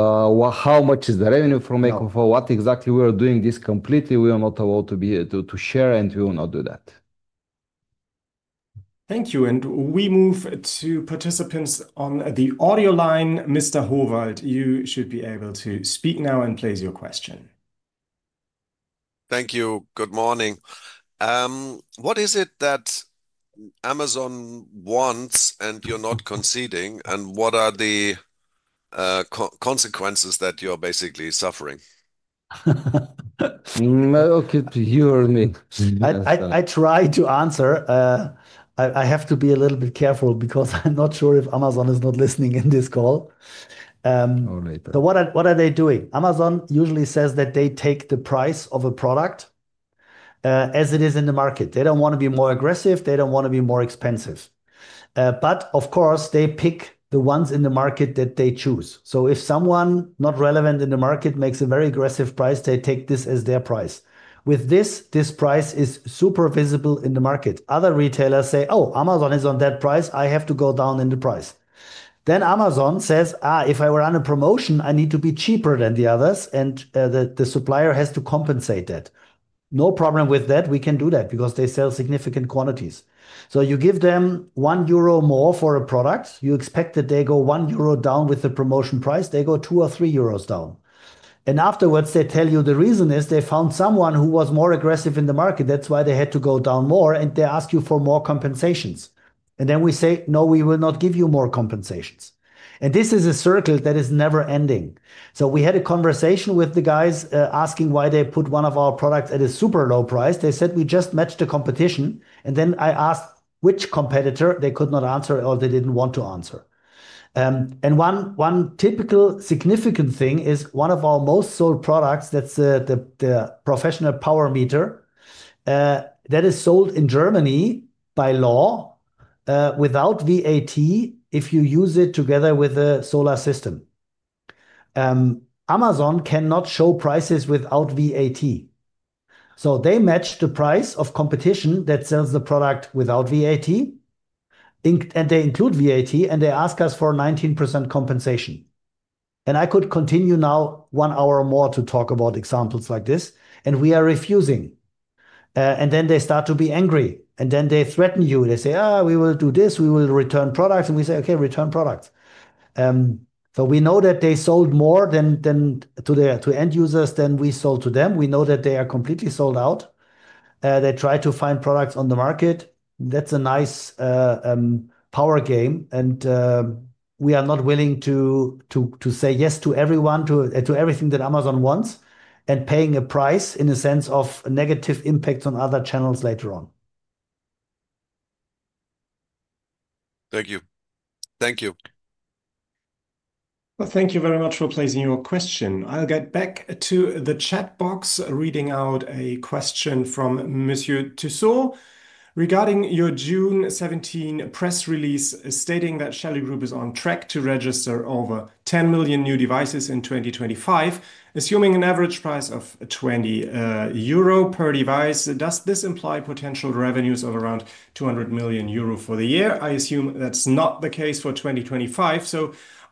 how much is the revenue from EcoFlow, what exactly we are doing. This completely, we are not allowed to share, and we will not do that. Thank you. We move to participants on the audio line. [Mr. Hovwald], you should be able to speak now and place your question. Thank you. Good morning. What is it that Amazon wants and you're not conceding, and what are the consequences that you're basically suffering? Okay, to you or me? I try to answer. I have to be a little bit careful because I'm not sure if Amazon is not listening in this call. Oh, neither. What are they doing? Amazon usually says that they take the price of a product as it is in the market. They don't want to be more aggressive. They don't want to be more expensive. Of course, they pick the ones in the market that they choose. If someone not relevant in the market makes a very aggressive price, they take this as their price. With this, this price is super visible in the market. Other retailers say, "Oh, Amazon is on that price. I have to go down in the price." Amazon says, if I run a promotion, I need to be cheaper than the others, and the supplier has to compensate that. No problem with that. We can do that because they sell significant quantities. You give them 1 euro more for a product. You expect that they go 1 euro down with the promotion price. They go 2 or 3 euros down. Afterwards, they tell you the reason is they found someone who was more aggressive in the market. That's why they had to go down more, and they ask you for more compensations. We say, "No, we will not give you more compensations." This is a circle that is never ending. We had a conversation with the guys asking why they put one of our products at a super low price. They said, "We just matched the competition." I asked which competitor. They could not answer, or they didn't want to answer. One typical significant thing is one of our most sold products, that's the professional power meter that is sold in Germany by law without VAT if you use it together with a solar system. Amazon cannot show prices without VAT. They match the price of competition that sells the product without VAT, and they include VAT, and they ask us for 19% compensation. I could continue now one hour more to talk about examples like this, and we are refusing. They start to be angry, and then they threaten you. They say, we will do this. We will return products. We say, "Okay, return products." We know that they sold more to end users than we sold to them. We know that they are completely sold out. They try to find products on the market. That's a nice power game, and we are not willing to say yes to everyone, to everything that Amazon wants, and paying a price in a sense of negative impacts on other channels later on. Thank you. Thank you very much for placing your question. I'll get back to the chat box, reading out a question from [Monsieur Tussaud] regarding your June 17 press release stating that Shelly Group is on track to register over 10 million new devices in 2025, assuming an average price of 20 euro per device. Does this imply potential revenues of around 200 million euro for the year? I assume that's not the case for 2025.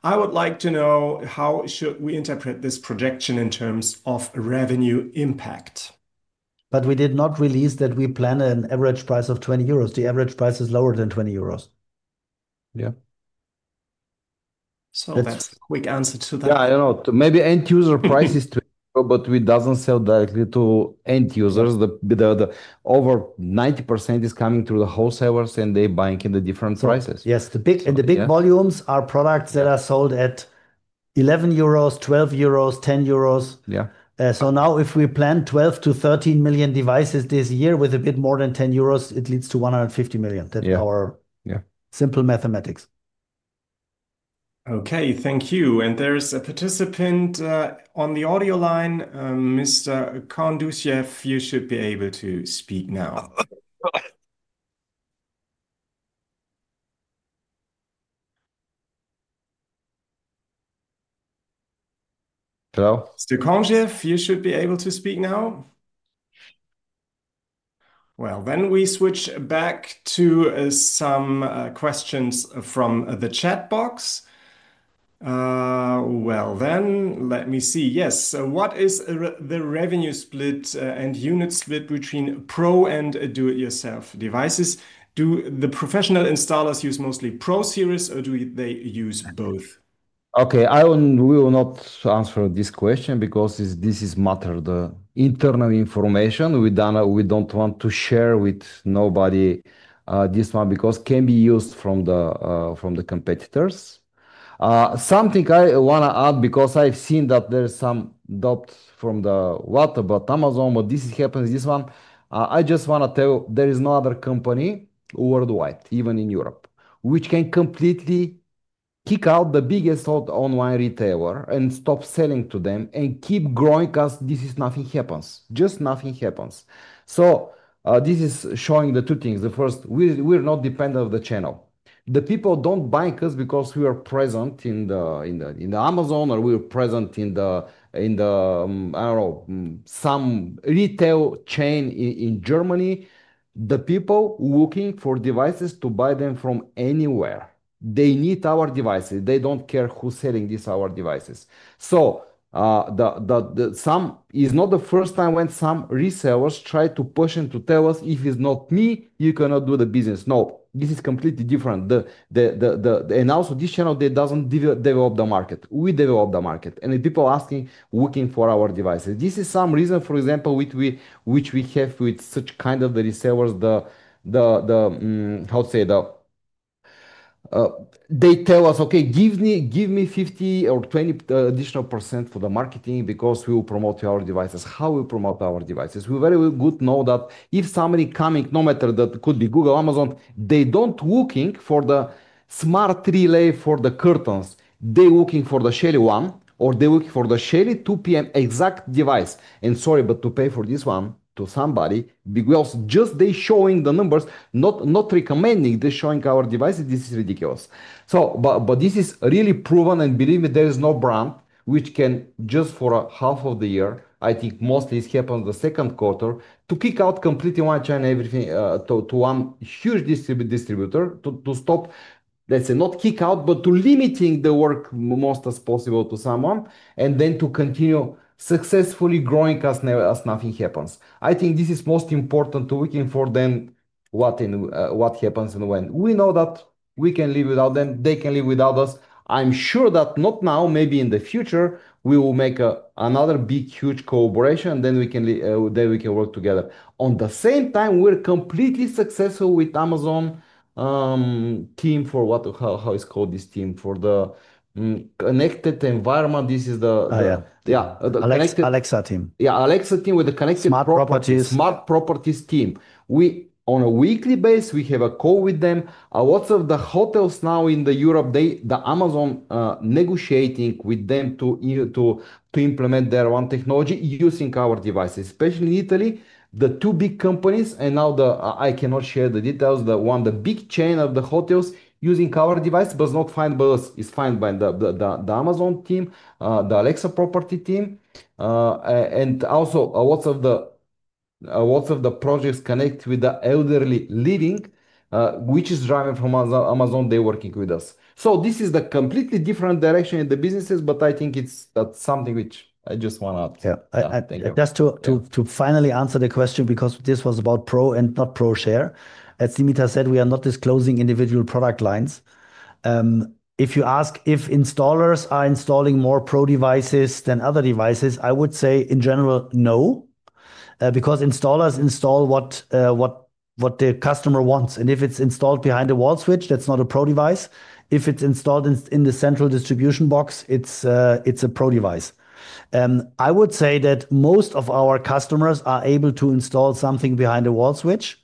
I would like to know how should we interpret this projection in terms of revenue impact? We did not release that we plan an average price of 20 euros. The average price is lower than 20 euros. Yeah. That's a quick answer to that. I don't know. Maybe end user price is EUR 20, but it doesn't sell directly to end users. Over 90% is coming through the wholesalers, and they're buying in the different prices. Yes. The big volumes are products that are sold at 11 euros, 12 euros, 10 euros. Now, if we plan 12 million-13 million devices this year with a bit more than 10 euros, it leads to 150 million. That's our simple mathematics. Thank you. There's a participant on the audio line, Mr. Kondushev. You should be able to speak now. Mr. Kondushev, you should be able to speak now. We switch back to some questions from the chat box. Let me see. Yes. What is the revenue split and unit split between pro and do-it-yourself devices? Do the professional installers use mostly pro series, or do they use both? Okay. I will not answer this question because this is a matter of internal information. We don't want to share this one with anybody because it can be used by competitors. Something I want to add because I've seen that there's some dots from the water, but Amazon, but this happens in this one. I just want to tell you there is no other company worldwide, even in Europe, which can completely kick out the biggest online retailer and stop selling to them and keep growing because nothing happens. Just nothing happens. This shows two things. First, we're not dependent on the channel. People don't buy us because we are present on Amazon or we're present in, I don't know, some retail chain in Germany. People are looking for devices to buy them from anywhere. They need our devices. They don't care who's selling these devices. It's not the first time when some resellers try to push and tell us, "If it's not me, you cannot do the business." No, this is completely different. Also, this channel doesn't develop the market. We develop the market. People are asking, looking for our devices. This is some reason, for example, which we have with such kind of resellers. They tell us, "Okay, give me 50% or 20% additional for the marketing because we will promote our devices." How do we promote our devices? We very well know that if somebody is coming, no matter that could be Google, Amazon, they don't look for the smart relay for the curtains. They're looking for the Shelly one or they're looking for the Shelly 2PM exact device. Sorry, but to pay for this one to somebody else, just they're showing the numbers, not recommending, they're showing our devices. This is ridiculous. This is really proven, and believe me, there is no brand which can, just for half of the year, I think mostly it happened in the second quarter, completely kick out one chain, one huge distributor, to stop, let's say, not kick out, but to limit the work as much as possible to someone, and then continue successfully growing as nothing happens. I think this is most important to look for, what happens and when. We know that we can live without them. They can live without us. I'm sure that not now, maybe in the future, we will make another big, huge collaboration, and then we can work together. At the same time, we're completely successful with the Amazon team for what, how it's called, this team for the connected environment. This is the, yeah. Alexa team. Yeah, Alexa team with the connected smart properties team. We, on a weekly basis, have a call with them. Lots of the hotels now in Europe, Amazon negotiating with them to implement their own technology using our devices, especially in Italy, the two big companies. I cannot share the details. The one, the big chain of the hotels using our device was not found by us. It's found by the Amazon team, the Alexa property team. Also, lots of the projects connect with the elderly living, which is driving from Amazon. They're working with us. This is a completely different direction in the businesses, but I think it's something which I just want to add to. Yeah, I think that's to finally answer the question because this was about pro and not pro share. As Dimitar said, we are not disclosing individual product lines. If you ask if installers are installing more pro devices than other devices, I would say in general, no, because installers install what the customer wants. If it's installed behind a wall switch, that's not a pro device. If it's installed in the central distribution box, it's a pro device. I would say that most of our customers are able to install something behind a wall switch.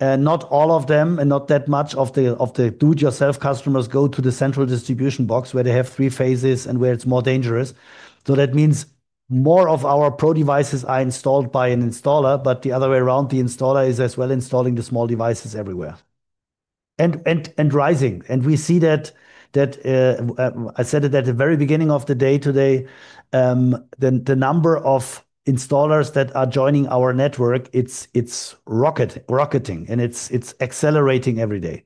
Not all of them, and not that much of the do-it-yourself customers go to the central distribution box where they have three phases and where it's more dangerous. That means more of our pro devices are installed by an installer, but the other way around, the installer is as well installing the small devices everywhere. We see that, I said it at the very beginning of the day today, the number of installers that are joining our network, it's rocketing, and it's accelerating every day.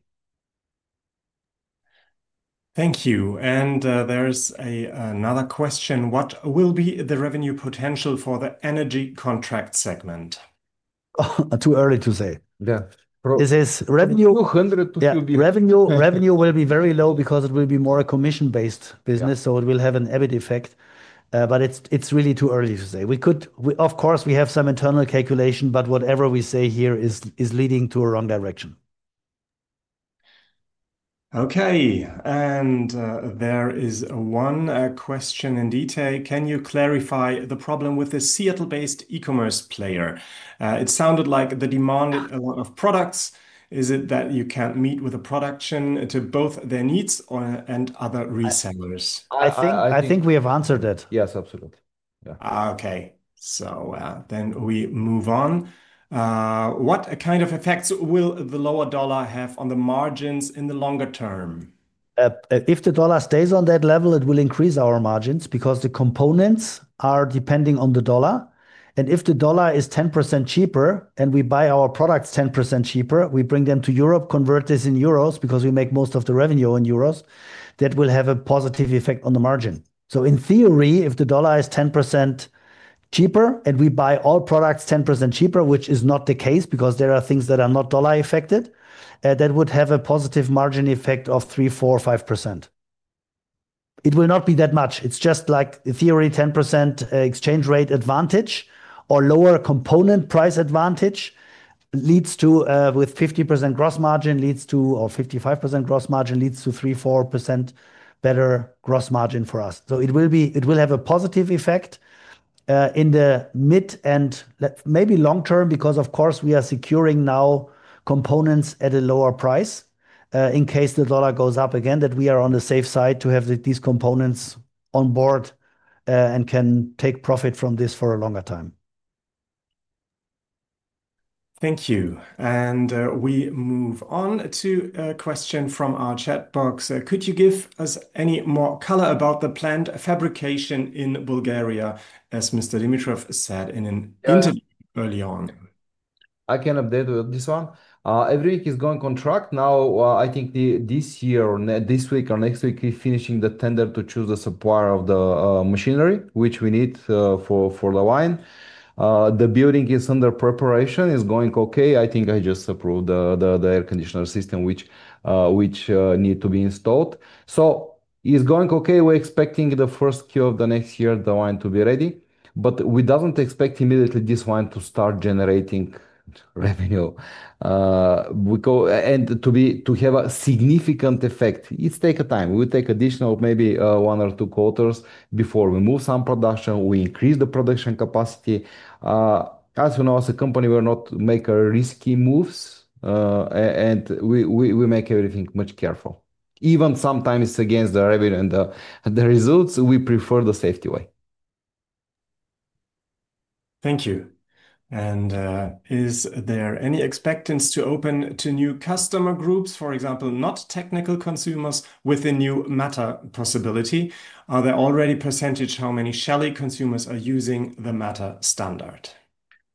Thank you. There's another question. What will be the revenue potential for the energy contract segment? Too early to say. Yeah. It says revenue will be very low because it will be more a commission-based business, so it will have an EBIT effect. It's really too early to say. We could, of course, we have some internal calculation, but whatever we say here is leading to a wrong direction. There is one question in detail. Can you clarify the problem with the Seattle-based e-commerce player? It sounded like they demanded a lot of products. Is it that you can't meet with a production to both their needs and other resellers? I think we have answered it. Yes, absolutely. Okay. We move on. What kind of effects will the lower dollar have on the margins in the longer term? If the dollar stays on that level, it will increase our margins because the components are depending on the dollar. If the dollar is 10% cheaper and we buy our products 10% cheaper, we bring them to Europe, convert this in euros because we make most of the revenue in euros, that will have a positive effect on the margin. In theory, if the dollar is 10% cheaper and we buy all products 10% cheaper, which is not the case because there are things that are not dollar affected, that would have a positive margin effect of 3%, 4%, or 5%. It will not be that much. It's just like the theory: 10% exchange rate advantage or lower component price advantage leads to, with 50% gross margin, or 55% gross margin, leads to 3%, 4% better gross margin for us. It will have a positive effect in the mid and maybe long-term because, of course, we are securing now components at a lower price in case the dollar goes up again, that we are on the safe side to have these components on board and can take profit from this for a longer time. Thank you. We move on to a question from our chat box. Could you give us any more color about the planned fabrication in Bulgaria, as Mr. Dimitrov said in an interview early on? I can update with this one. Everything is going on track. Now, I think this year, this week or next week, we're finishing the tender to choose the supplier of the machinery, which we need for the wine. The building is under preparation. It's going okay. I think I just approved the air conditioner system, which needs to be installed. It's going okay. We're expecting the first Q of the next year, the wine to be ready. We don't expect immediately this wine to start generating revenue and to have a significant effect. It's taking time. We'll take additional maybe one or two quarters before we move some production. We increase the production capacity. As we know, as a company, we're not making risky moves, and we make everything much careful. Even sometimes it's against the revenue and the results, we prefer the safety way. Thank you. Is there any expectance to open to new customer groups, for example, not technical consumers with a new Matter possibility? Are there already percentages how many Shelly consumers are using the Matter standard?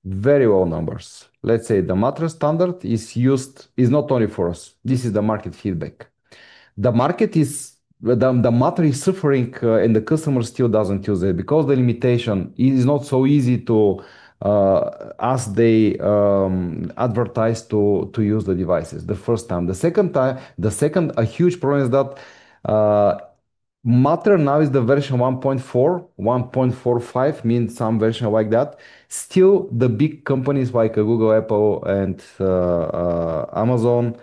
Very low numbers. Let's say the Matter standard is used not only for us. This is the market feedback. Matter is suffering, and the customer still doesn't use it because the limitation is not so easy to, as they advertise, to use the devices the first time. The second, a huge problem is that Matter now is the version 1.4. 1.45 means some version like that. Still, the big companies like Google, Apple, and Amazon,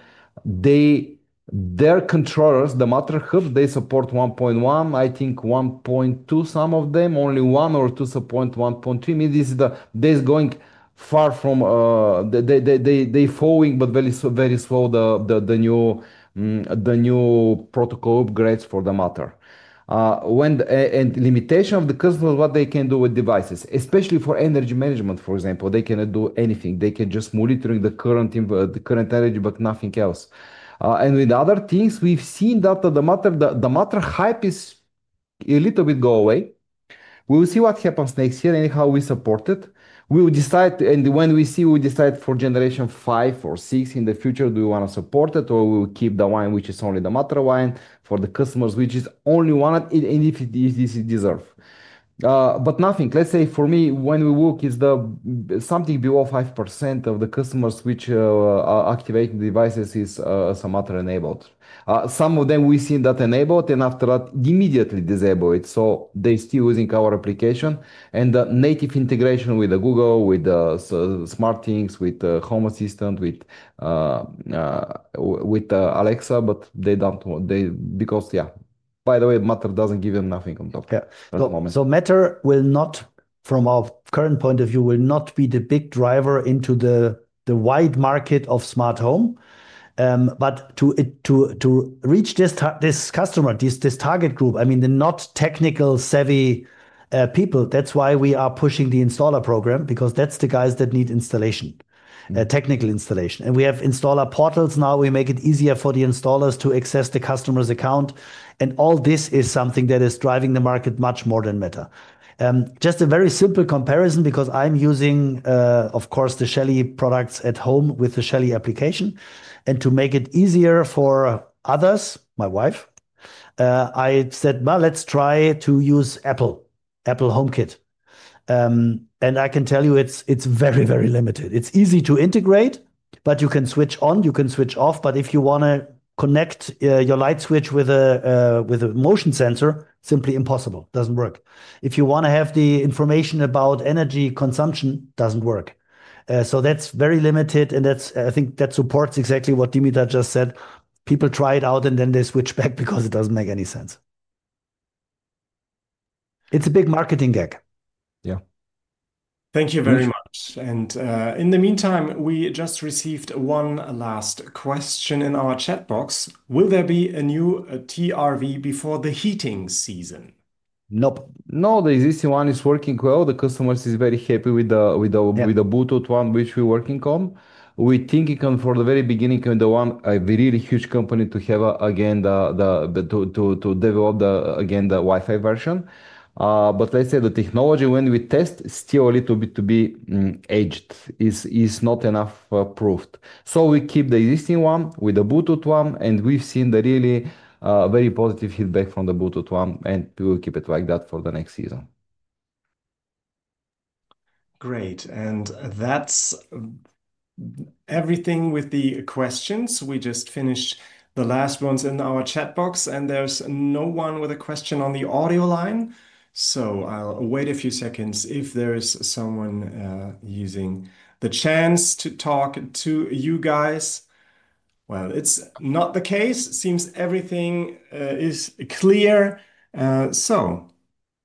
their controllers, the Matter hub, they support 1.1, I think 1.2, some of them, only one or two support 1.2. I mean, this is going far from, they're following, but very slow, the new protocol upgrades for Matter. The limitation of the customers, what they can do with devices, especially for energy management, for example, they cannot do anything. They can just monitor the current energy, but nothing else. With other teams, we've seen that the Matter hype is a little bit going away. We'll see what happens next year and how we support it. We'll decide when. We decide for Generation 5 or 6 in the future, do we want to support it or will we keep the one which is only the Matter one for the customers, which is only one? If it is, this is deserved. For me, when we look, it's something below 5% of the customers which are activating the devices as Matter enabled. Some of them, we've seen that enabled and after that immediately disable it. They're still using our application and the native integration with Google, with SmartThings, with Home Assistant, with Alexa, but they don't want because, yeah, by the way, Matter doesn't give them nothing on top. Matter will not, from our current point of view, be the big driver into the wide market of smart home. To reach this customer, this target group, I mean the not technical savvy people, that's why we are pushing the installer program because that's the guys that need installation, technical installation. We have installer portals now. We make it easier for the installers to access the customer's account. All this is something that is driving the market much more than Matter. Just a very simple comparison because I'm using, of course, the Shelly products at home with the Shelly application. To make it easier for others, my wife, I said, let's try to use Apple, Apple HomeKit. I can tell you it's very, very limited. It's easy to integrate, but you can switch on, you can switch off. If you want to connect your light switch with a motion sensor, simply impossible. Doesn't work. If you want to have the information about energy consumption, doesn't work. That's very limited. I think that supports exactly what Dimitar just said. People try it out and then they switch back because it doesn't make any sense. It's a big marketing gag. Thank you very much. In the meantime, we just received one last question in our chat box. Will there be a new TRV before the heating season? No, the existing one is working well. The customers are very happy with the Bluetooth one which we're working on. We're thinking from the very beginning with the one, a really huge company to have again, to develop again the Wi-Fi version. The technology when we test is still a little bit to be aged. It's not enough proofed. We keep the existing one with the Bluetooth one. We've seen the really very positive feedback from the Bluetooth one, and we will keep it like that for the next season. Great. That's everything with the questions. We just finished the last ones in our chat box, and there's no one with a question on the audio line. I'll wait a few seconds if there's someone using the chance to talk to you guys. It's not the case. Seems everything is clear.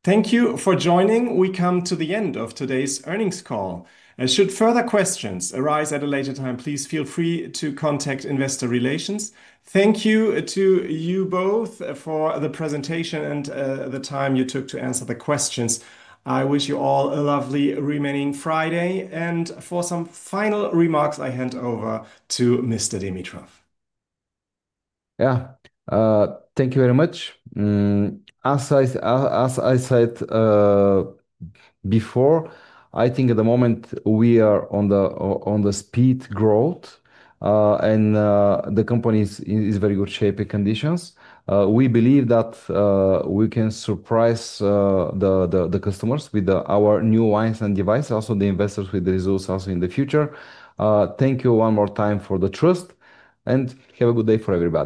Thank you for joining. We come to the end of today's earnings call. Should further questions arise at a later time, please feel free to contact Investor Relations. Thank you to you both for the presentation and the time you took to answer the questions. I wish you all a lovely remaining Friday. For some final remarks, I hand over to Mr. Dimitrov. Thank you very much. As I said before, I think at the moment we are on the speed growth, and the company is in very good shape and conditions. We believe that we can surprise the customers with our new lines and devices, also the investors with the results also in the future. Thank you one more time for the trust, and have a good day for everybody.